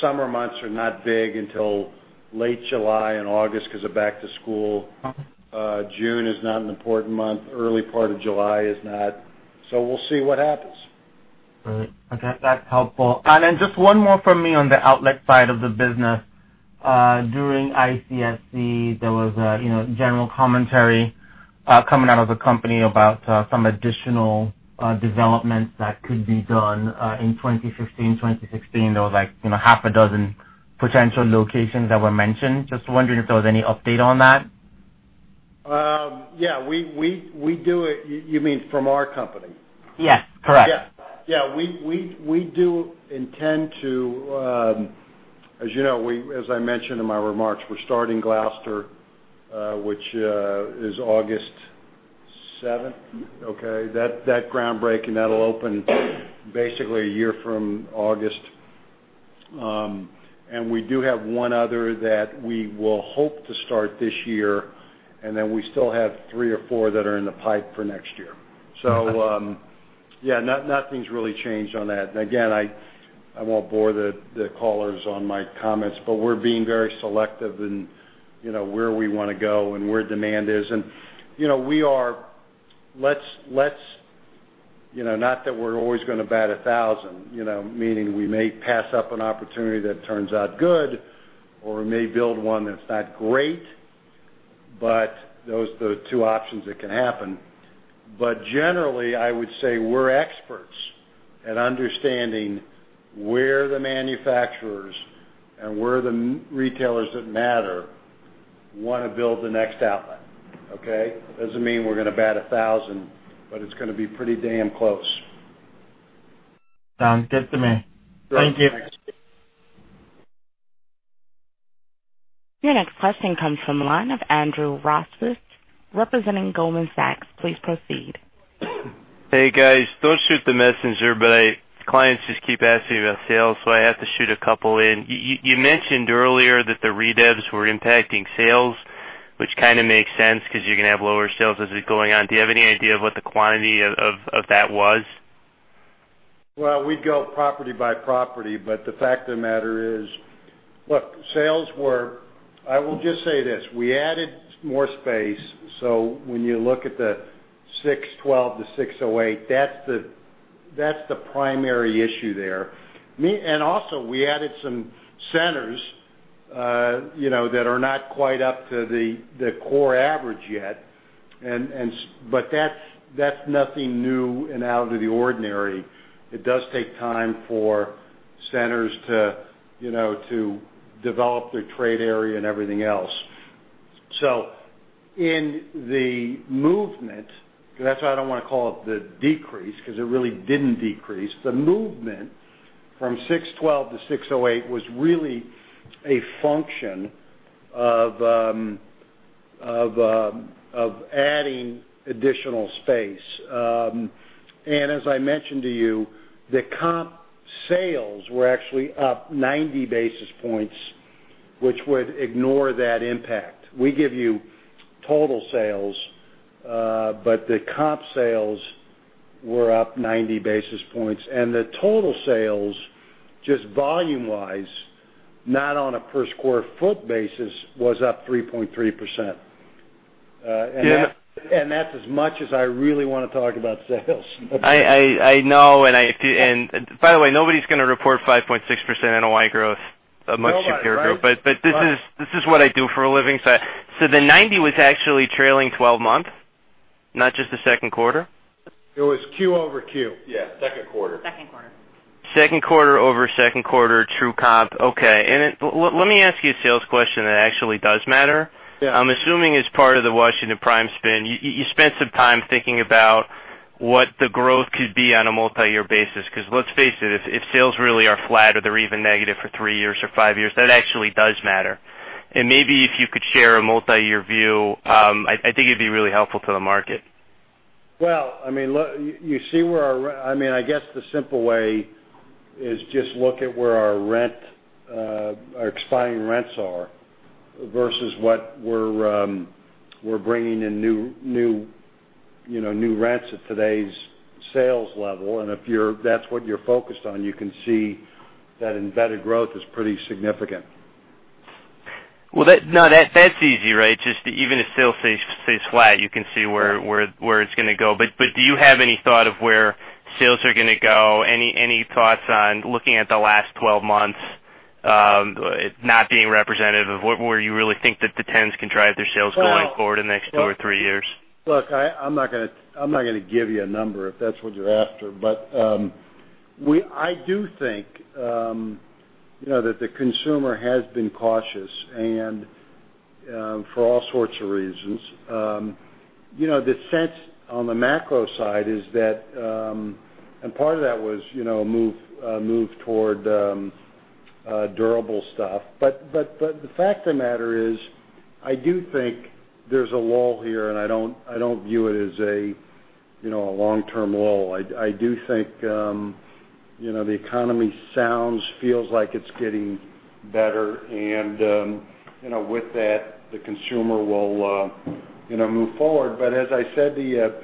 S3: summer months are not big until late July and August because of back to school. June is not an important month, early part of July is not. We'll see what happens.
S14: Right. Okay. That's helpful. Then just one more from me on the outlet side of the business. During ICSC, there was a general commentary coming out of the company about some additional developments that could be done in 2015, 2016. There was like half a dozen potential locations that were mentioned. Just wondering if there was any update on that.
S3: Yeah. You mean from our company?
S14: Yes. Correct.
S3: Yeah. We do intend to, as I mentioned in my remarks, we're starting Gloucester, which is August 7th. Okay? That groundbreaking, that'll open basically a year from August. We do have one other that we will hope to start this year, and then we still have three or four that are in the pipe for next year.
S14: Okay.
S3: Nothing's really changed on that. Again, I won't bore the callers on my comments, but we're being very selective in where we want to go and where demand is. Not that we're always going to bat 1,000, meaning we may pass up an opportunity that turns out good or may build one that's not great, but those are the two options that can happen. Generally, I would say we're experts at understanding where the manufacturers and where the retailers that matter want to build the next outlet. Okay? Doesn't mean we're going to bat 1,000, but it's going to be pretty damn close.
S14: Sounds good to me. Thank you.
S1: Your next question comes from the line of Andrew Rosivach, representing Goldman Sachs. Please proceed.
S15: Hey, guys. Don't shoot the messenger, clients just keep asking about sales, I have to shoot a couple in. You mentioned earlier that the redevs were impacting sales, which kind of makes sense because you're going to have lower sales as it's going on. Do you have any idea of what the quantity of that was?
S3: Well, we go property by property. The fact of the matter is Look, I will just say this, we added more space. When you look at the 612 to 608, that's the primary issue there. Also, we added some centers that are not quite up to the core average yet. That's nothing new and out of the ordinary. It does take time for centers to develop their trade area and everything else. In the movement, because that's why I don't want to call it the decrease, because it really didn't decrease. The movement from 612 to 608 was really a function of adding additional space. As I mentioned to you, the comp sales were actually up 90 basis points, which would ignore that impact. We give you total sales, but the comp sales were up 90 basis points. The total sales, just volume wise, not on a per square foot basis, was up 3.3%. That's as much as I really want to talk about sales.
S15: I know, and by the way, nobody's going to report 5.6% NOI growth amongst your peer group.
S3: Nobody, right?
S15: This is what I do for a living. The 90 was actually trailing 12 months, not just the second quarter?
S3: It was Q over Q.
S11: Yeah. Second quarter.
S16: Second quarter.
S15: Second quarter over second quarter, true comp. Okay. Let me ask you a sales question that actually does matter.
S3: Yeah.
S15: I'm assuming as part of the Washington Prime spin, you spent some time thinking about what the growth could be on a multi-year basis, because let's face it, if sales really are flat or they're even negative for three years or five years, that actually does matter. Maybe if you could share a multi-year view, I think it'd be really helpful to the market.
S3: Well, I guess the simple way is just look at where our expiring rents are versus what we're bringing in new rents at today's sales level. If that's what you're focused on, you can see that embedded growth is pretty significant.
S15: Well, that's easy, right? Just even if sales stays flat, you can see where it's going to go. Do you have any thought of where sales are going to go? Any thoughts on looking at the last 12 months, not being representative of where you really think that the tenants can drive their sales going forward the next two or three years?
S3: Look, I'm not going to give you a number if that's what you're after. I do think that the consumer has been cautious and for all sorts of reasons. The sense on the macro side is that, and part of that was a move toward durable stuff. The fact of the matter is, I do think there's a lull here, and I don't view it as a long-term lull. I do think the economy sounds, feels like it's getting better, and with that, the consumer will move forward. As I said, the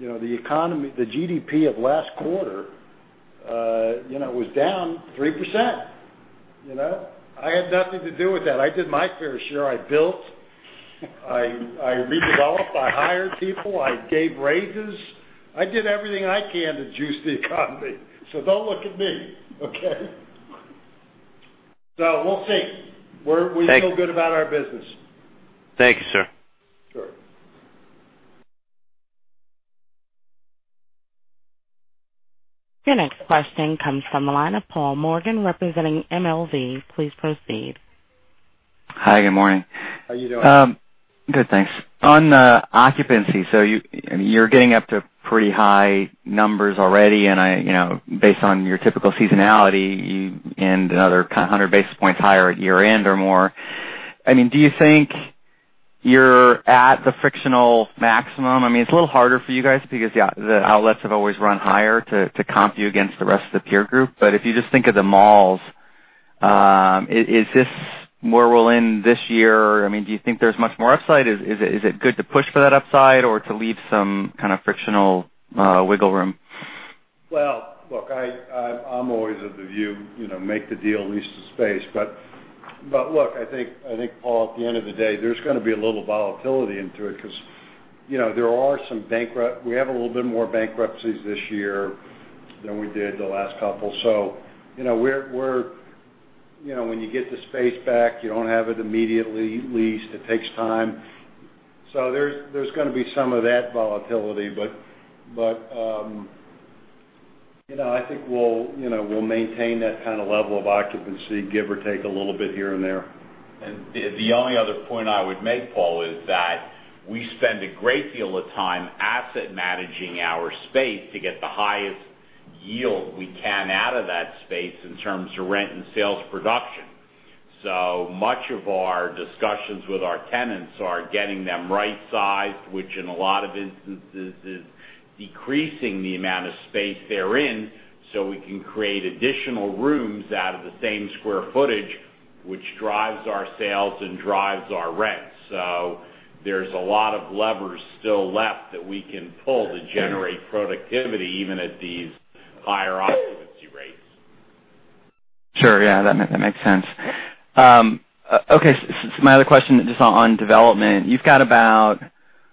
S3: GDP of last quarter was down 3%. I had nothing to do with that. I did my fair share. I built, I redeveloped, I hired people, I gave raises. I did everything I can to juice the economy. Don't look at me. Okay? We'll see. We feel good about our business.
S15: Thank you, sir.
S3: Sure.
S1: Your next question comes from the line of Paul Morgan representing MLV & Co. Please proceed.
S17: Hi, good morning.
S3: How you doing?
S17: Good, thanks. On occupancy, you're getting up to pretty high numbers already, and based on your typical seasonality, you end another 100 basis points higher at year end or more. Do you think you're at the frictional maximum? It's a little harder for you guys because the outlets have always run higher to comp you against the rest of the peer group. If you just think of the malls, is this where we'll end this year? Do you think there's much more upside? Is it good to push for that upside or to leave some kind of frictional wiggle room?
S3: Well, look, I'm always of the view, make the deal, lease the space. Look, I think, Paul, at the end of the day, there's going to be a little volatility into it because we have a little bit more bankruptcies this year than we did the last couple. When you get the space back, you don't have it immediately leased. It takes time. There's going to be some of that volatility, but I think we'll maintain that kind of level of occupancy, give or take a little bit here and there.
S9: The only other point I would make, Paul, is that we spend a great deal of time asset managing our space to get the highest yield we can out of that space in terms of rent and sales production. Much of our discussions with our tenants are getting them right-sized, which in a lot of instances is decreasing the amount of space they're in, so we can create additional rooms out of the same square footage, which drives our sales and drives our rents. There's a lot of levers still left that we can pull to generate productivity, even at these higher occupancy rates.
S17: Sure. Yeah. That makes sense. Okay. My other question is just on development. You've got about,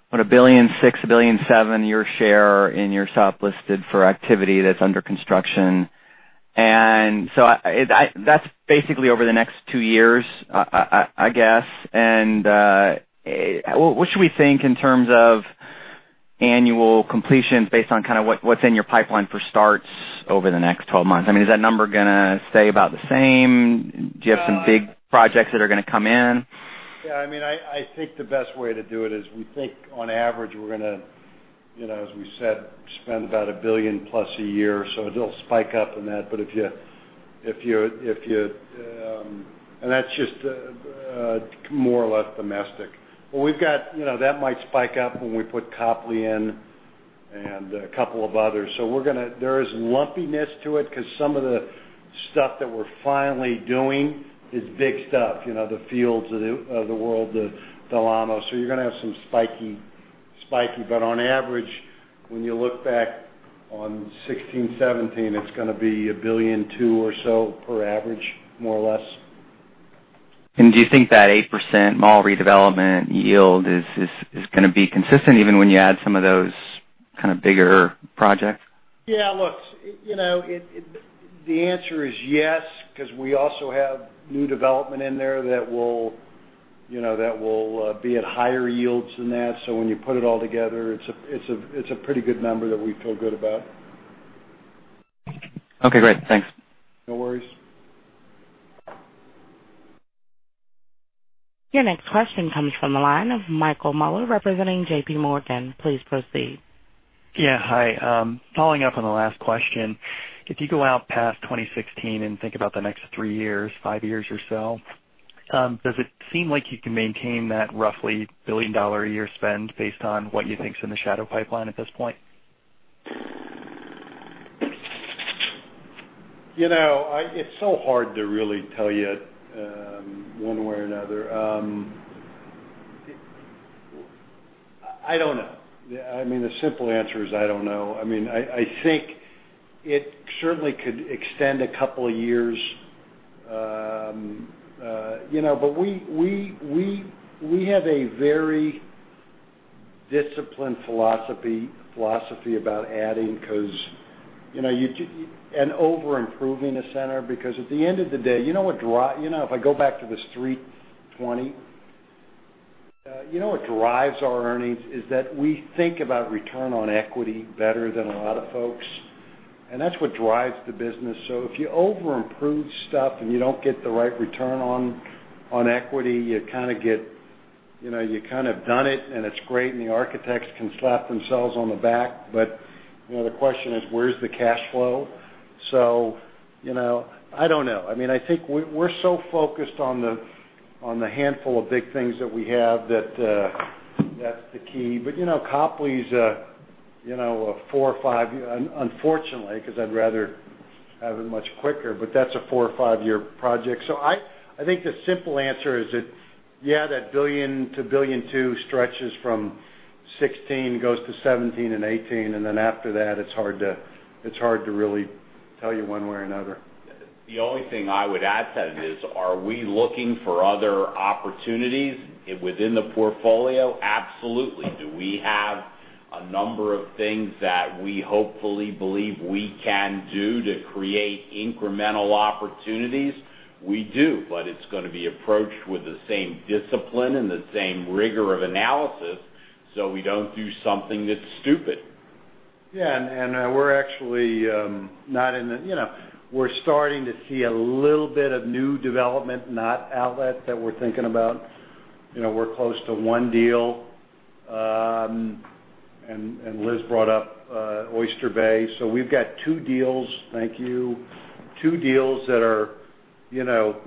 S17: what, $1.6 billion, $1.7 billion, your share in your SOP listed for activity that's under construction. That's basically over the next two years, I guess. What should we think in terms of annual completions based on kind of what's in your pipeline for starts over the next 12 months? I mean, is that number going to stay about the same? Do you have some big projects that are going to come in?
S3: Yeah. I think the best way to do it is we think, on average, we're going to, as we said, spend about $1 billion plus a year. It will spike up in that, and that's just more or less domestic. That might spike up when we put Copley in and a couple of others. There is lumpiness to it because some of the stuff that we're finally doing is big stuff, the Fields of the world, the Del Amo. You're going to have some spiky, but on average, when you look back on 2016, 2017, it's going to be $1.2 billion or so per average, more or less.
S17: Do you think that 8% mall redevelopment yield is going to be consistent even when you add some of those kind of bigger projects?
S3: Yeah. Look, the answer is yes, because we also have new development in there that will be at higher yields than that. When you put it all together, it's a pretty good number that we feel good about.
S17: Okay, great. Thanks.
S3: No worries.
S1: Your next question comes from the line of Michael Mueller, representing JPMorgan. Please proceed.
S18: Yeah. Hi. Following up on the last question, if you go out past 2016 and think about the next three years, five years or so, does it seem like you can maintain that roughly $1 billion a year spend based on what you think is in the shadow pipeline at this point?
S3: It's so hard to really tell you one way or another. I don't know. I mean, the simple answer is I don't know. I think it certainly could extend a couple of years. We have a very disciplined philosophy about adding and over-improving a center because at the end of the day, if I go back to the Street 20, you know what drives our earnings is that we think about return on equity better than a lot of folks, and that's what drives the business. If you over-improve stuff and you don't get the right return on equity, you've kind of done it, and it's great, and the architects can slap themselves on the back. The question is, where's the cash flow? I don't know. I think we're so focused on the handful of big things that we have that that's the key. Copley's a four or five, unfortunately, because I'd rather have it much quicker, but that's a four or five-year project. I think the simple answer is that, yeah, that $1 billion-$1.2 billion stretches from 2016, goes to 2017 and 2018. Then after that, it's hard to really tell you one way or another.
S9: The only thing I would add to that is, are we looking for other opportunities within the portfolio? Absolutely. Do we have a number of things that we hopefully believe we can do to create incremental opportunities? We do, it's going to be approached with the same discipline and the same rigor of analysis, so we don't do something that's stupid.
S3: We're starting to see a little bit of new development, not outlet, that we're thinking about. We're close to one deal. Liz brought up Oyster Bay. We've got two deals, thank you, two deals that are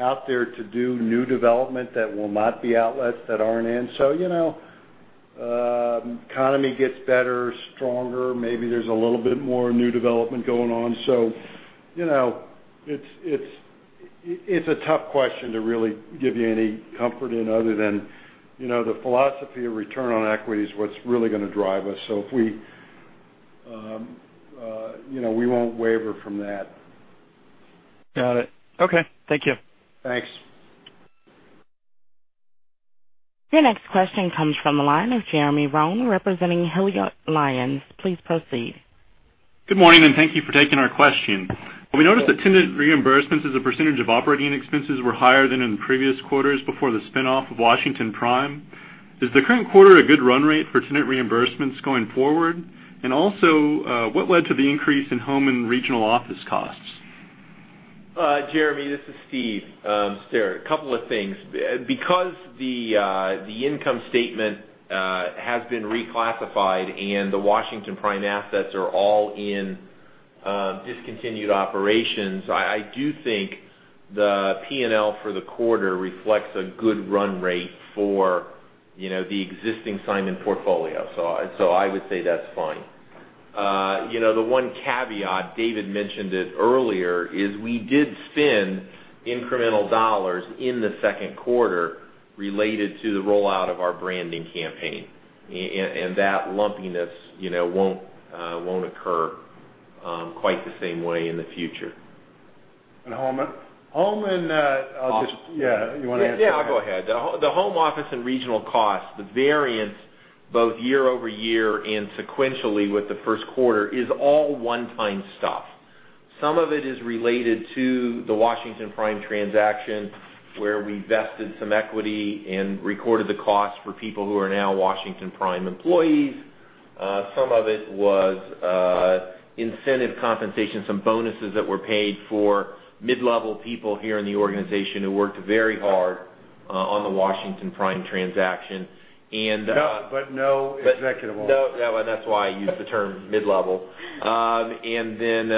S3: out there to do new development that will not be outlets that aren't in. Economy gets better, stronger, maybe there's a little bit more new development going on. It's a tough question to really give you any comfort in other than the philosophy of return on equity is what's really going to drive us. We won't waver from that.
S18: Got it. Okay. Thank you.
S3: Thanks.
S1: Your next question comes from the line of Jeremy Roane, representing Hilliard Lyons. Please proceed.
S19: Good morning. Thank you for taking our question. We noticed that tenant reimbursements as a percentage of operating expenses were higher than in previous quarters before the spin-off of Washington Prime. Is the current quarter a good run rate for tenant reimbursements going forward? Also, what led to the increase in home and regional office costs?
S11: Jeremy, this is Steve. There are a couple of things. Because the income statement has been reclassified and the Washington Prime assets are all in discontinued operations, I do think the P&L for the quarter reflects a good run rate for the existing Simon portfolio. I would say that's fine. The one caveat, David mentioned it earlier, is we did spend incremental dollars in the second quarter related to the rollout of our branding campaign. That lumpiness won't occur quite the same way in the future.
S3: Home?
S11: Home.
S3: Office. Yeah. You want to answer that? Yeah, I'll go ahead. The home office and regional costs, the variance both year-over-year and sequentially with the first quarter, is all one-time stuff. Some of it is related to the Washington Prime transaction, where we vested some equity and recorded the cost for people who are now Washington Prime employees. Some of it was incentive compensation, some bonuses that were paid for mid-level people here in the organization who worked very hard on the Washington Prime transaction.
S11: No executive order.
S3: No, that's why I used the term mid-level. Then,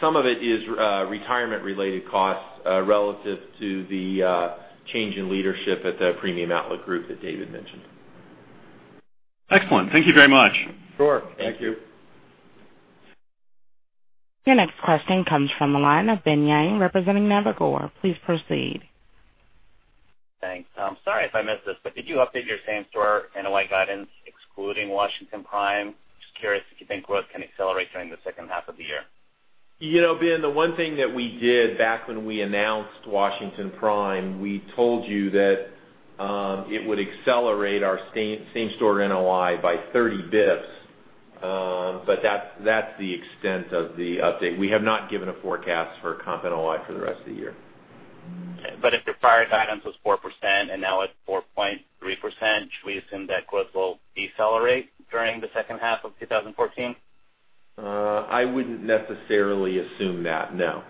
S3: some of it is retirement-related costs relative to the change in leadership at the Premium Outlet Group that David mentioned.
S19: Excellent. Thank you very much.
S3: Sure.
S11: Thank you.
S1: Your next question comes from the line of Ben Yang, representing Evercore. Please proceed.
S20: Thanks. Sorry if I missed this, did you update your same-store NOI guidance excluding Washington Prime? Just curious if you think growth can accelerate during the second half of the year.
S11: Ben, the one thing that we did back when we announced Washington Prime, we told you that it would accelerate our same-store NOI by 30 basis points. That's the extent of the update. We have not given a forecast for Comp NOI for the rest of the year.
S20: If your prior guidance was 4% and now it's 4.3%, should we assume that growth will decelerate during the second half of 2014?
S11: I wouldn't necessarily assume that, no.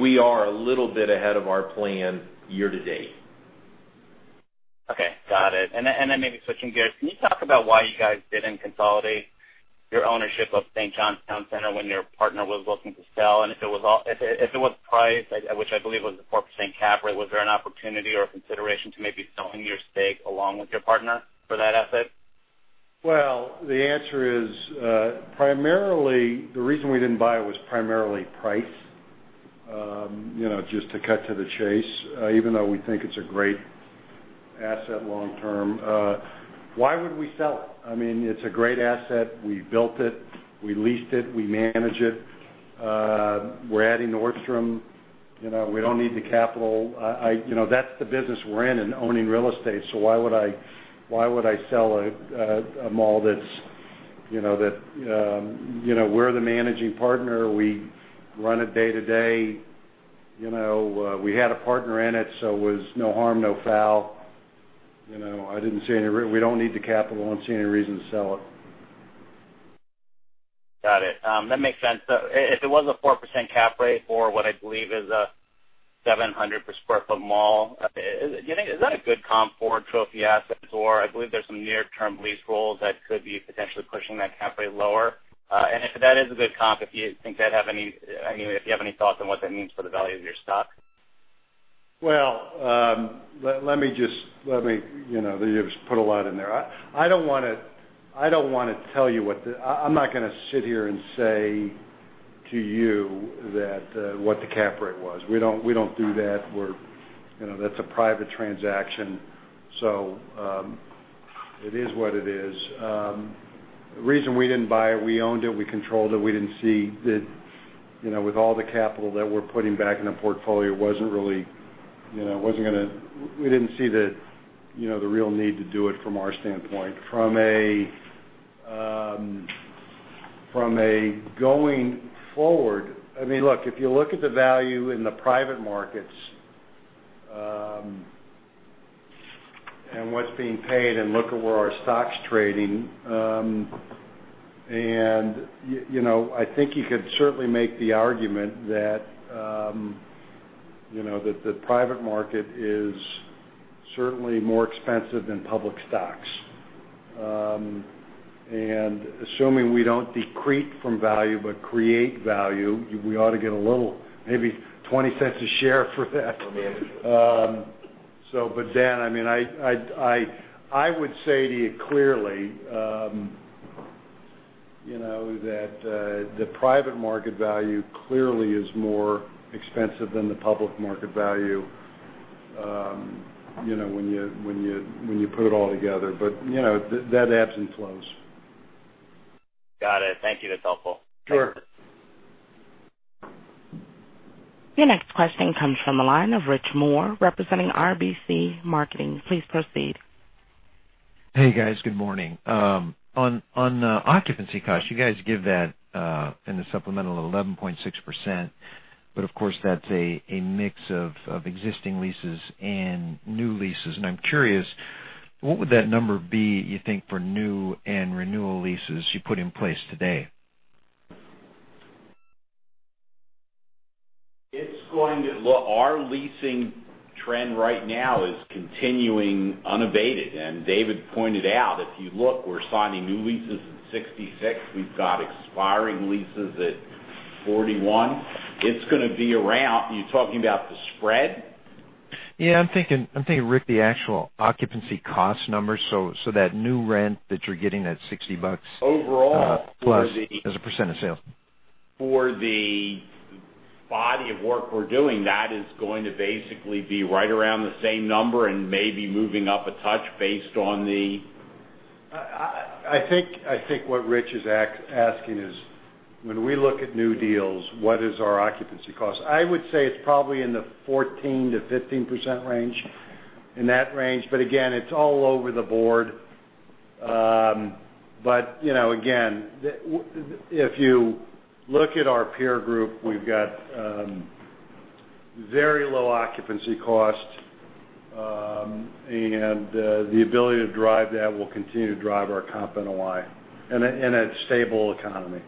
S11: We are a little bit ahead of our plan year to date.
S20: Okay. Got it. Maybe switching gears, can you talk about why you guys didn't consolidate your ownership of St. John's Town Center when your partner was looking to sell? If it was price, which I believe was a 4% cap rate, was there an opportunity or consideration to maybe selling your stake along with your partner for that asset?
S3: Well, the answer is, the reason we didn't buy it was primarily price. Just to cut to the chase, even though we think it's a great asset long term, why would we sell it? It's a great asset. We built it. We leased it. We manage it. We're adding Nordstrom. We don't need the capital. That's the business we're in owning real estate. Why would I sell a mall that we're the managing partner, we run it day to day. We had a partner in it, so it was no harm, no foul. We don't need the capital. I don't see any reason to sell it.
S20: Got it. That makes sense. If it was a 4% cap rate for what I believe is a 700 per sq ft mall, do you think, is that a good comp for trophy assets? I believe there's some near-term lease rolls that could be potentially pushing that cap rate lower. If that is a good comp, if you have any thoughts on what that means for the value of your stock.
S3: Well, you just put a lot in there. I'm not going to sit here and say to you what the cap rate was. We don't do that. That's a private transaction. It is what it is. The reason we didn't buy it, we owned it, we controlled it. We didn't see that with all the capital that we're putting back in the portfolio, we didn't see the real need to do it from our standpoint. From a going forward Look, if you look at the value in the private markets, and what's being paid and look at where our stock's trading, I think you could certainly make the argument that the private market is certainly more expensive than public stocks. Assuming we don't decrete from value but create value, we ought to get a little, maybe $0.20 a share for that. Ben, I would say to you clearly, that the private market value clearly is more expensive than the public market value, when you put it all together. That ebbs and flows.
S20: Got it. Thank you. That's helpful.
S3: Sure.
S1: Your next question comes from the line of Rich Moore representing RBC Marketing. Please proceed.
S21: Hey, guys. Good morning. On occupancy costs, you guys give that in the supplemental 11.6%, of course, that's a mix of existing leases and new leases. I'm curious, what would that number be, you think, for new and renewal leases you put in place today?
S9: Our leasing trend right now is continuing unabated. David pointed out, if you look, we're signing new leases at 66. We've got expiring leases at 41. Are you talking about the spread?
S21: Yeah, I'm thinking, Rick, the actual occupancy cost number.
S9: Overall-
S21: Plus as a % of sales
S9: for the body of work we're doing, that is going to basically be right around the same number and maybe moving up a touch based on the
S3: I think what Rich is asking is when we look at new deals, what is our occupancy cost? I would say it's probably in the 14%-15% range, in that range. Again, it's all over the board. Again, if you look at our peer group, we've got very low occupancy cost, and the ability to drive that will continue to drive our Comp NOI in a stable economy.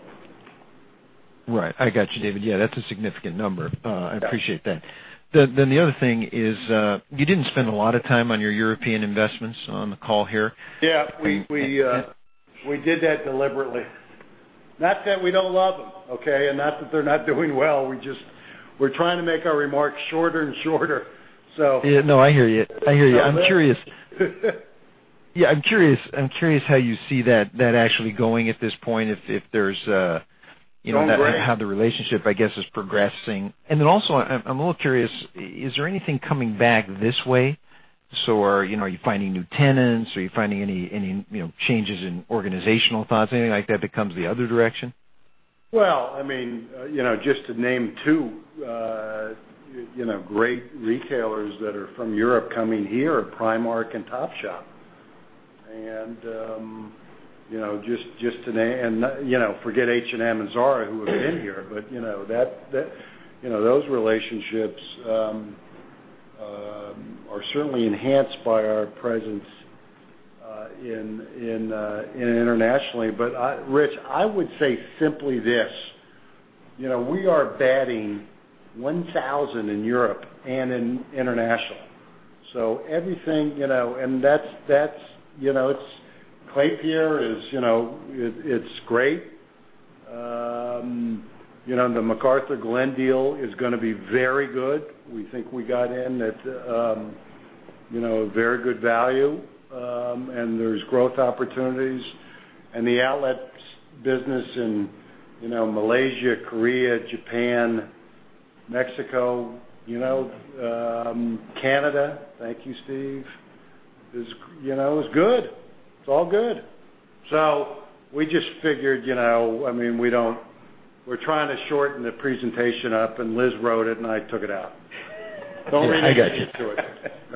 S21: Right. I got you, David. That's a significant number. I appreciate that. The other thing is, you didn't spend a lot of time on your European investments on the call here.
S3: We did that deliberately. Not that we don't love them, okay? Not that they're not doing well. We're trying to make our remarks shorter and shorter.
S21: I hear you. I'm curious how you see that actually going at this point, how the relationship, I guess, is progressing. Also, I'm a little curious, is there anything coming back this way? Are you finding new tenants? Are you finding any changes in organizational thoughts, anything like that comes the other direction?
S3: Just to name two great retailers that are from Europe coming here are Primark and Topshop. Forget H&M and Zara, who have been here, but those relationships are certainly enhanced by our presence internationally. Rich, I would say simply this. We are batting 1,000 in Europe and in international. Klépierre, it's great. The McArthurGlen deal is going to be very good. We think we got in at a very good value, and there's growth opportunities. The outlets business in Malaysia, Korea, Japan, Mexico, Canada, thank you, Steve, is good. It's all good. We just figured, we're trying to shorten the presentation up, and Liz wrote it, and I took it out.
S21: Yeah, I got you.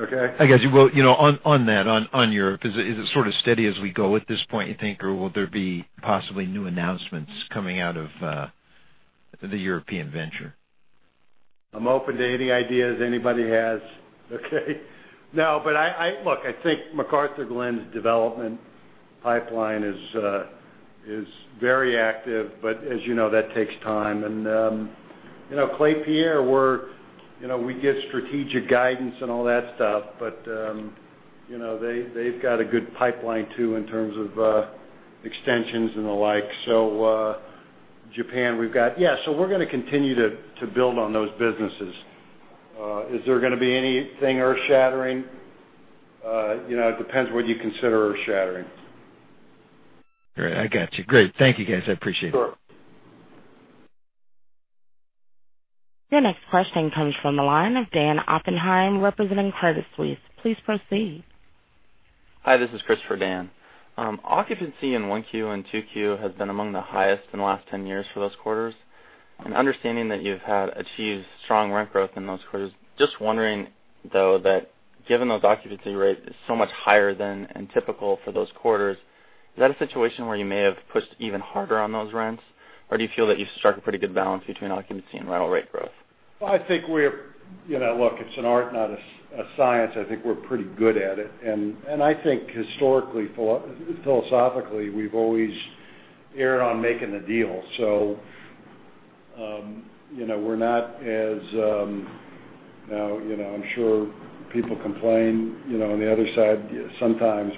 S3: Okay.
S21: I got you. On that, on Europe, is it sort of steady as we go at this point, you think, or will there be possibly new announcements coming out of the European venture?
S3: I'm open to any ideas anybody has. Okay? Look, I think McArthurGlen's development pipeline is very active. As you know, that takes time. Klépierre, we give strategic guidance and all that stuff, but they've got a good pipeline, too, in terms of extensions and the like. Japan, we've got Yeah, we're going to continue to build on those businesses. Is there going to be anything earth-shattering? It depends what you consider earth-shattering.
S21: Great. I got you. Great. Thank you, guys. I appreciate it.
S3: Sure.
S1: Your next question comes from the line of Dan Oppenheim representing Credit Suisse. Please proceed.
S22: Hi, this is Chris for Dan. Occupancy in 1Q and 2Q has been among the highest in the last 10 years for those quarters. Understanding that you've achieved strong rent growth in those quarters, just wondering, though, that given those occupancy rates is so much higher than and typical for those quarters, is that a situation where you may have pushed even harder on those rents, or do you feel that you struck a pretty good balance between occupancy and rental rate growth?
S3: Look, it's an art, not a science. I think we're pretty good at it. I think historically, philosophically, we've always erred on making the deal. Now, I'm sure people complain on the other side sometimes,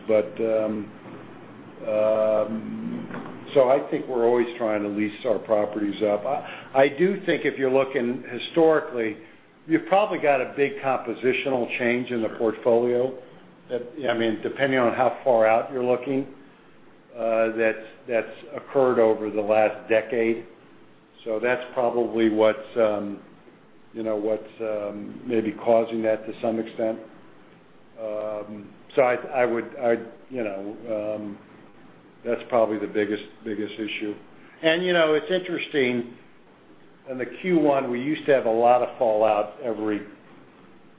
S3: I think we're always trying to lease our properties up. I do think if you're looking historically, you've probably got a big compositional change in the portfolio, depending on how far out you're looking, that's occurred over the last decade. That's probably what's maybe causing that to some extent. That's probably the biggest issue. It's interesting, in the Q1, we used to have a lot of fallout every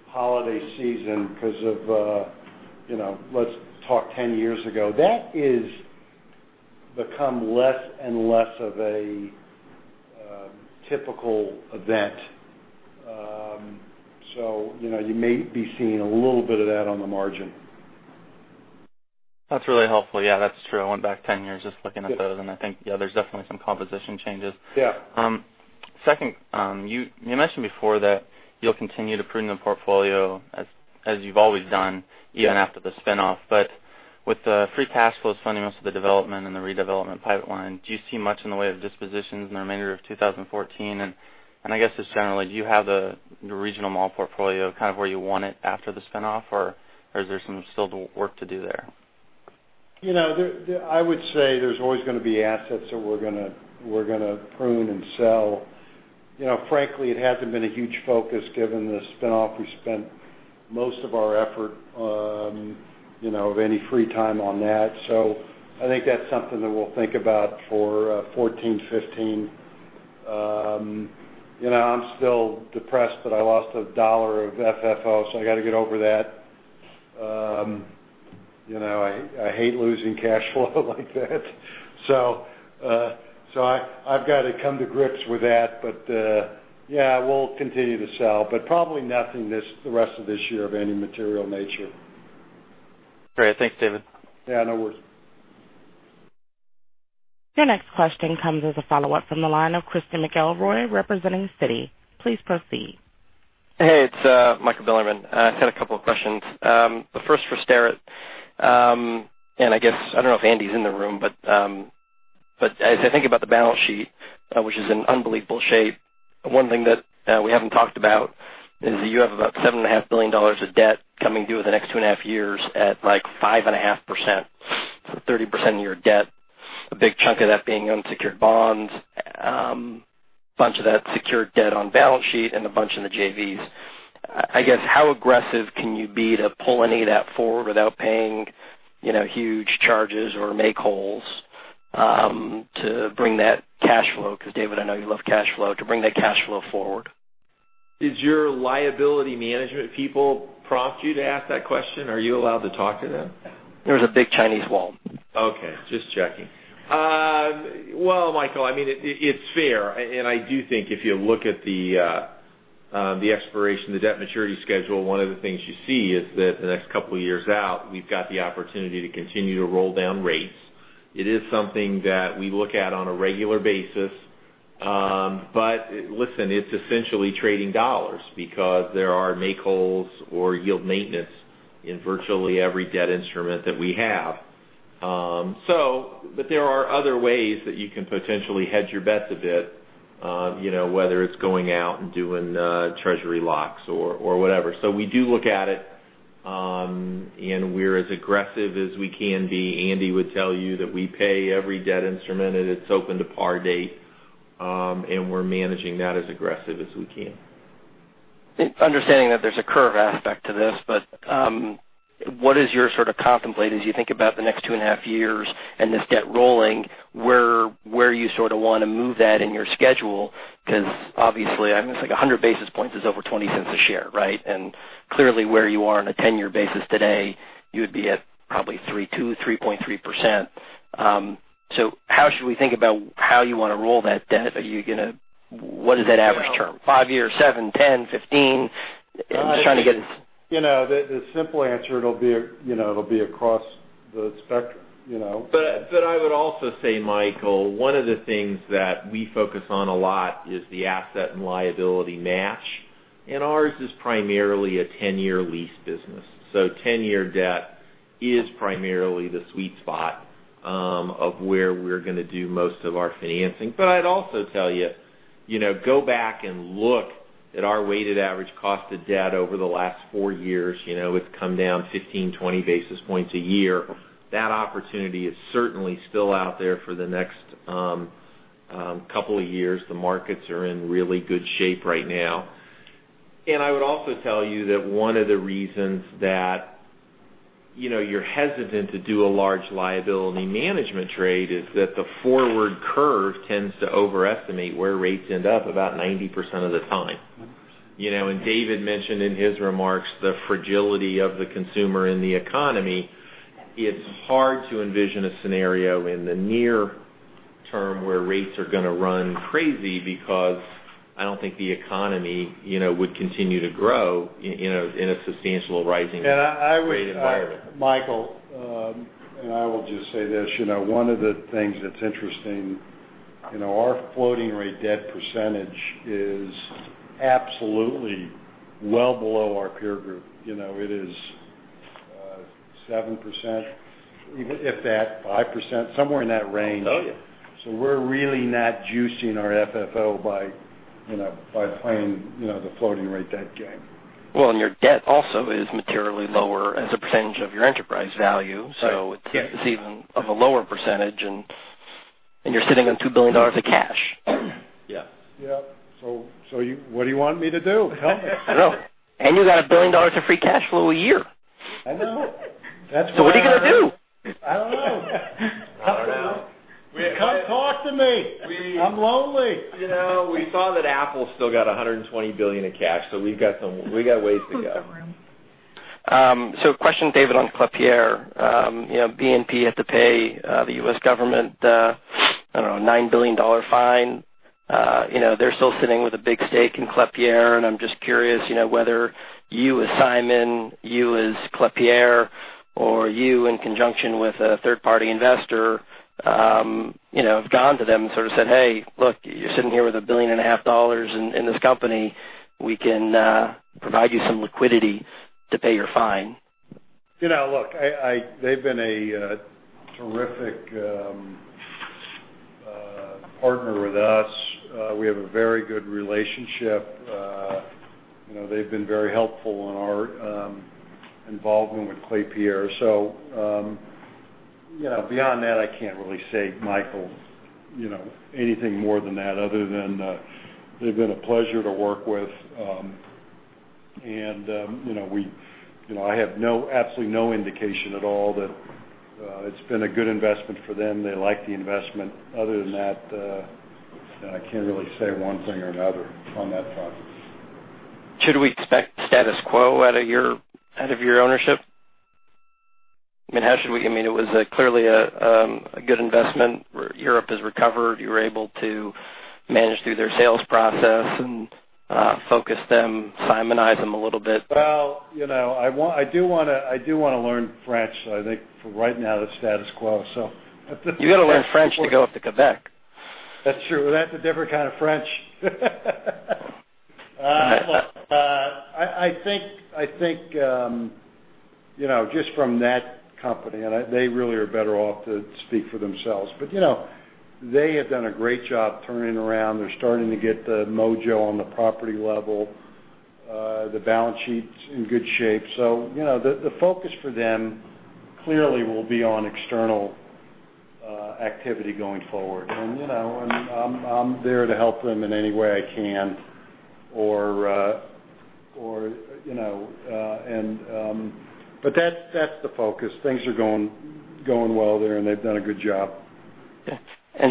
S3: holiday season because of, let's talk 10 years ago. That is become less and less of a typical event. You may be seeing a little bit of that on the margin.
S22: That's really helpful. That's true. I went back 10 years just looking at those, and I think, yeah, there's definitely some composition changes.
S3: Yeah.
S22: Second, you mentioned before that you'll continue to prune the portfolio as you've always done, even after the spinoff. With the free cash flows funding most of the development and the redevelopment pipeline, do you see much in the way of dispositions in the remainder of 2014? I guess, just generally, do you have the regional mall portfolio kind of where you want it after the spinoff, or is there some still work to do there?
S3: I would say there's always going to be assets that we're going to prune and sell. Frankly, it hasn't been a huge focus given the spinoff. We spent most of our effort, of any free time on that. I think that's something that we'll think about for 2014, 2015. I'm still depressed that I lost $1 of FFO, so I got to get over that. I hate losing cash flow like that. I've got to come to grips with that. Yeah, we'll continue to sell, but probably nothing the rest of this year of any material nature.
S22: Great. Thanks, David.
S3: Yeah, no worries.
S1: Your next question comes as a follow-up from the line of Christy McElroy, representing Citi. Please proceed.
S23: Hey, it's Michael Bilerman. I just had a couple of questions. The first for Sterrett. I guess, I don't know if Andy's in the room, but as I think about the balance sheet, which is in unbelievable shape, one thing that we haven't talked about is that you have about $7.5 billion of debt coming due in the next two and a half years at, like, 5.5%, so 30% of your debt, a big chunk of that being unsecured bonds, a bunch of that secured debt on balance sheet, and a bunch in the JVs. I guess, how aggressive can you be to pull any of that forward without paying huge charges or make-wholes to bring that cash flow, because David, I know you love cash flow, to bring that cash flow forward?
S11: Did your liability management people prompt you to ask that question? Are you allowed to talk to them?
S23: There's a big Chinese wall.
S11: Okay, just checking. Well, Michael, it's fair, and I do think if you look at the expiration, the debt maturity schedule, one of the things you see is that the next couple of years out, we've got the opportunity to continue to roll down rates. It is something that we look at on a regular basis. Listen, it's essentially trading dollars because there are make-wholes or yield maintenance in virtually every debt instrument that we have. There are other ways that you can potentially hedge your bets a bit, whether it's going out and doing treasury locks or whatever. We do look at it, and we're as aggressive as we can be. Andy would tell you that we pay every debt instrument, and it's open to par date, and we're managing that as aggressive as we can.
S23: Understanding that there's a curve aspect to this, but what is your sort of contemplate as you think about the next two and a half years and this debt rolling, where you sort of want to move that in your schedule? Obviously, I think 100 basis points is over $0.20 a share, right? Clearly where you are on a 10-year basis today, you would be at probably 3.2%, 3.3%. How should we think about how you want to roll that debt? What is that average term? 5 years, 7, 10, 15?
S3: The simple answer, it'll be across the spectrum.
S11: I would also say, Michael, one of the things that we focus on a lot is the asset and liability match, ours is primarily a 10-year lease business. 10-year debt is primarily the sweet spot of where we're going to do most of our financing. I'd also tell you, go back and look at our weighted average cost of debt over the last 4 years. It's come down 15, 20 basis points a year. That opportunity is certainly still out there for the next 2 years. The markets are in really good shape right now. I would also tell you that one of the reasons that you're hesitant to do a large liability management trade is that the forward curve tends to overestimate where rates end up about 90% of the time. David mentioned in his remarks, the fragility of the consumer and the economy. It's hard to envision a scenario in the near term where rates are going to run crazy because I don't think the economy would continue to grow in a substantial rising rate environment.
S3: Michael, I will just say this, one of the things that's interesting, our floating rate debt percentage is absolutely well below our peer group. It is 7%, if that, 5%, somewhere in that range.
S23: Oh, yeah.
S3: We're really not juicing our FFO by playing the floating rate debt game.
S23: Your debt also is materially lower as a percentage of your enterprise value.
S3: Right. Yeah
S23: It's even of a lower percentage and you're sitting on $2 billion of cash.
S11: Yeah.
S3: Yeah. What do you want me to do?
S23: I don't know. You got $1 billion of free cash flow a year.
S3: I know.
S23: What are you going to do?
S3: I don't know.
S11: I don't know.
S3: Come talk to me. I'm lonely.
S11: We saw that Apple's still got $120 billion in cash, we got a ways to go.
S3: We've got some room.
S23: Question, David, on Klépierre. BNP had to pay the U.S. government, I don't know, a $9 billion fine. They're still sitting with a big stake in Klépierre. I'm just curious whether you as Simon, you as Klépierre, or you in conjunction with a third-party investor, have gone to them and sort of said, "Hey, look, you're sitting here with $1.5 billion in this company. We can provide you some liquidity to pay your fine.
S3: Look, they've been a terrific partner with us. We have a very good relationship. They've been very helpful in our involvement with Klépierre. Beyond that, I can't really say, Michael, anything more than that other than they've been a pleasure to work with. I have absolutely no indication at all that it's been a good investment for them. They like the investment. Other than that, I can't really say one thing or another on that front.
S23: Should we expect status quo out of your ownership? It was clearly a good investment, Europe has recovered. You were able to manage through their sales process and focus them, Simonize them a little bit.
S3: Well, I do want to learn French. I think for right now, the status quo.
S23: You got to learn French to go up to Quebec.
S3: That's true. That's a different kind of French. Look, I think, just from that company, they really are better off to speak for themselves. They have done a great job turning around. They're starting to get the mojo on the property level. The balance sheet's in good shape. The focus for them clearly will be on external activity going forward. I'm there to help them in any way I can. That's the focus. Things are going well there, and they've done a good job.
S23: Yeah.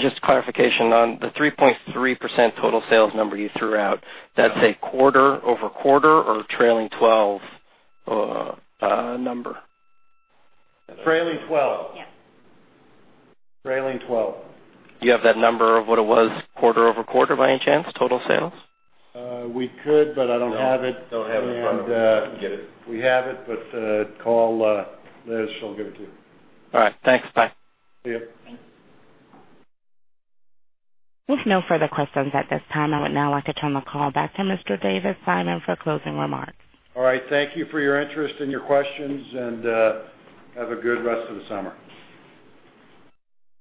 S23: Just clarification on the 3.3% total sales number you threw out. That's a quarter-over-quarter or trailing 12 number?
S3: Trailing 12.
S11: Yeah.
S3: Trailing 12.
S23: Do you have that number of what it was quarter-over-quarter by any chance, total sales?
S3: We could, but I don't have it.
S11: Don't have it in front of me. We can get it.
S3: We have it, but call Liz, she'll give it to you.
S23: All right. Thanks. Bye.
S3: See you.
S2: Thanks.
S1: We have no further questions at this time. I would now like to turn the call back to Mr. David Simon for closing remarks.
S3: All right. Thank you for your interest and your questions. Have a good rest of the summer.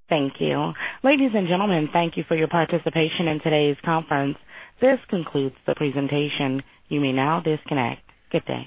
S1: Thank you. Ladies and gentlemen, thank you for your participation in today's conference. This concludes the presentation. You may now disconnect. Good day.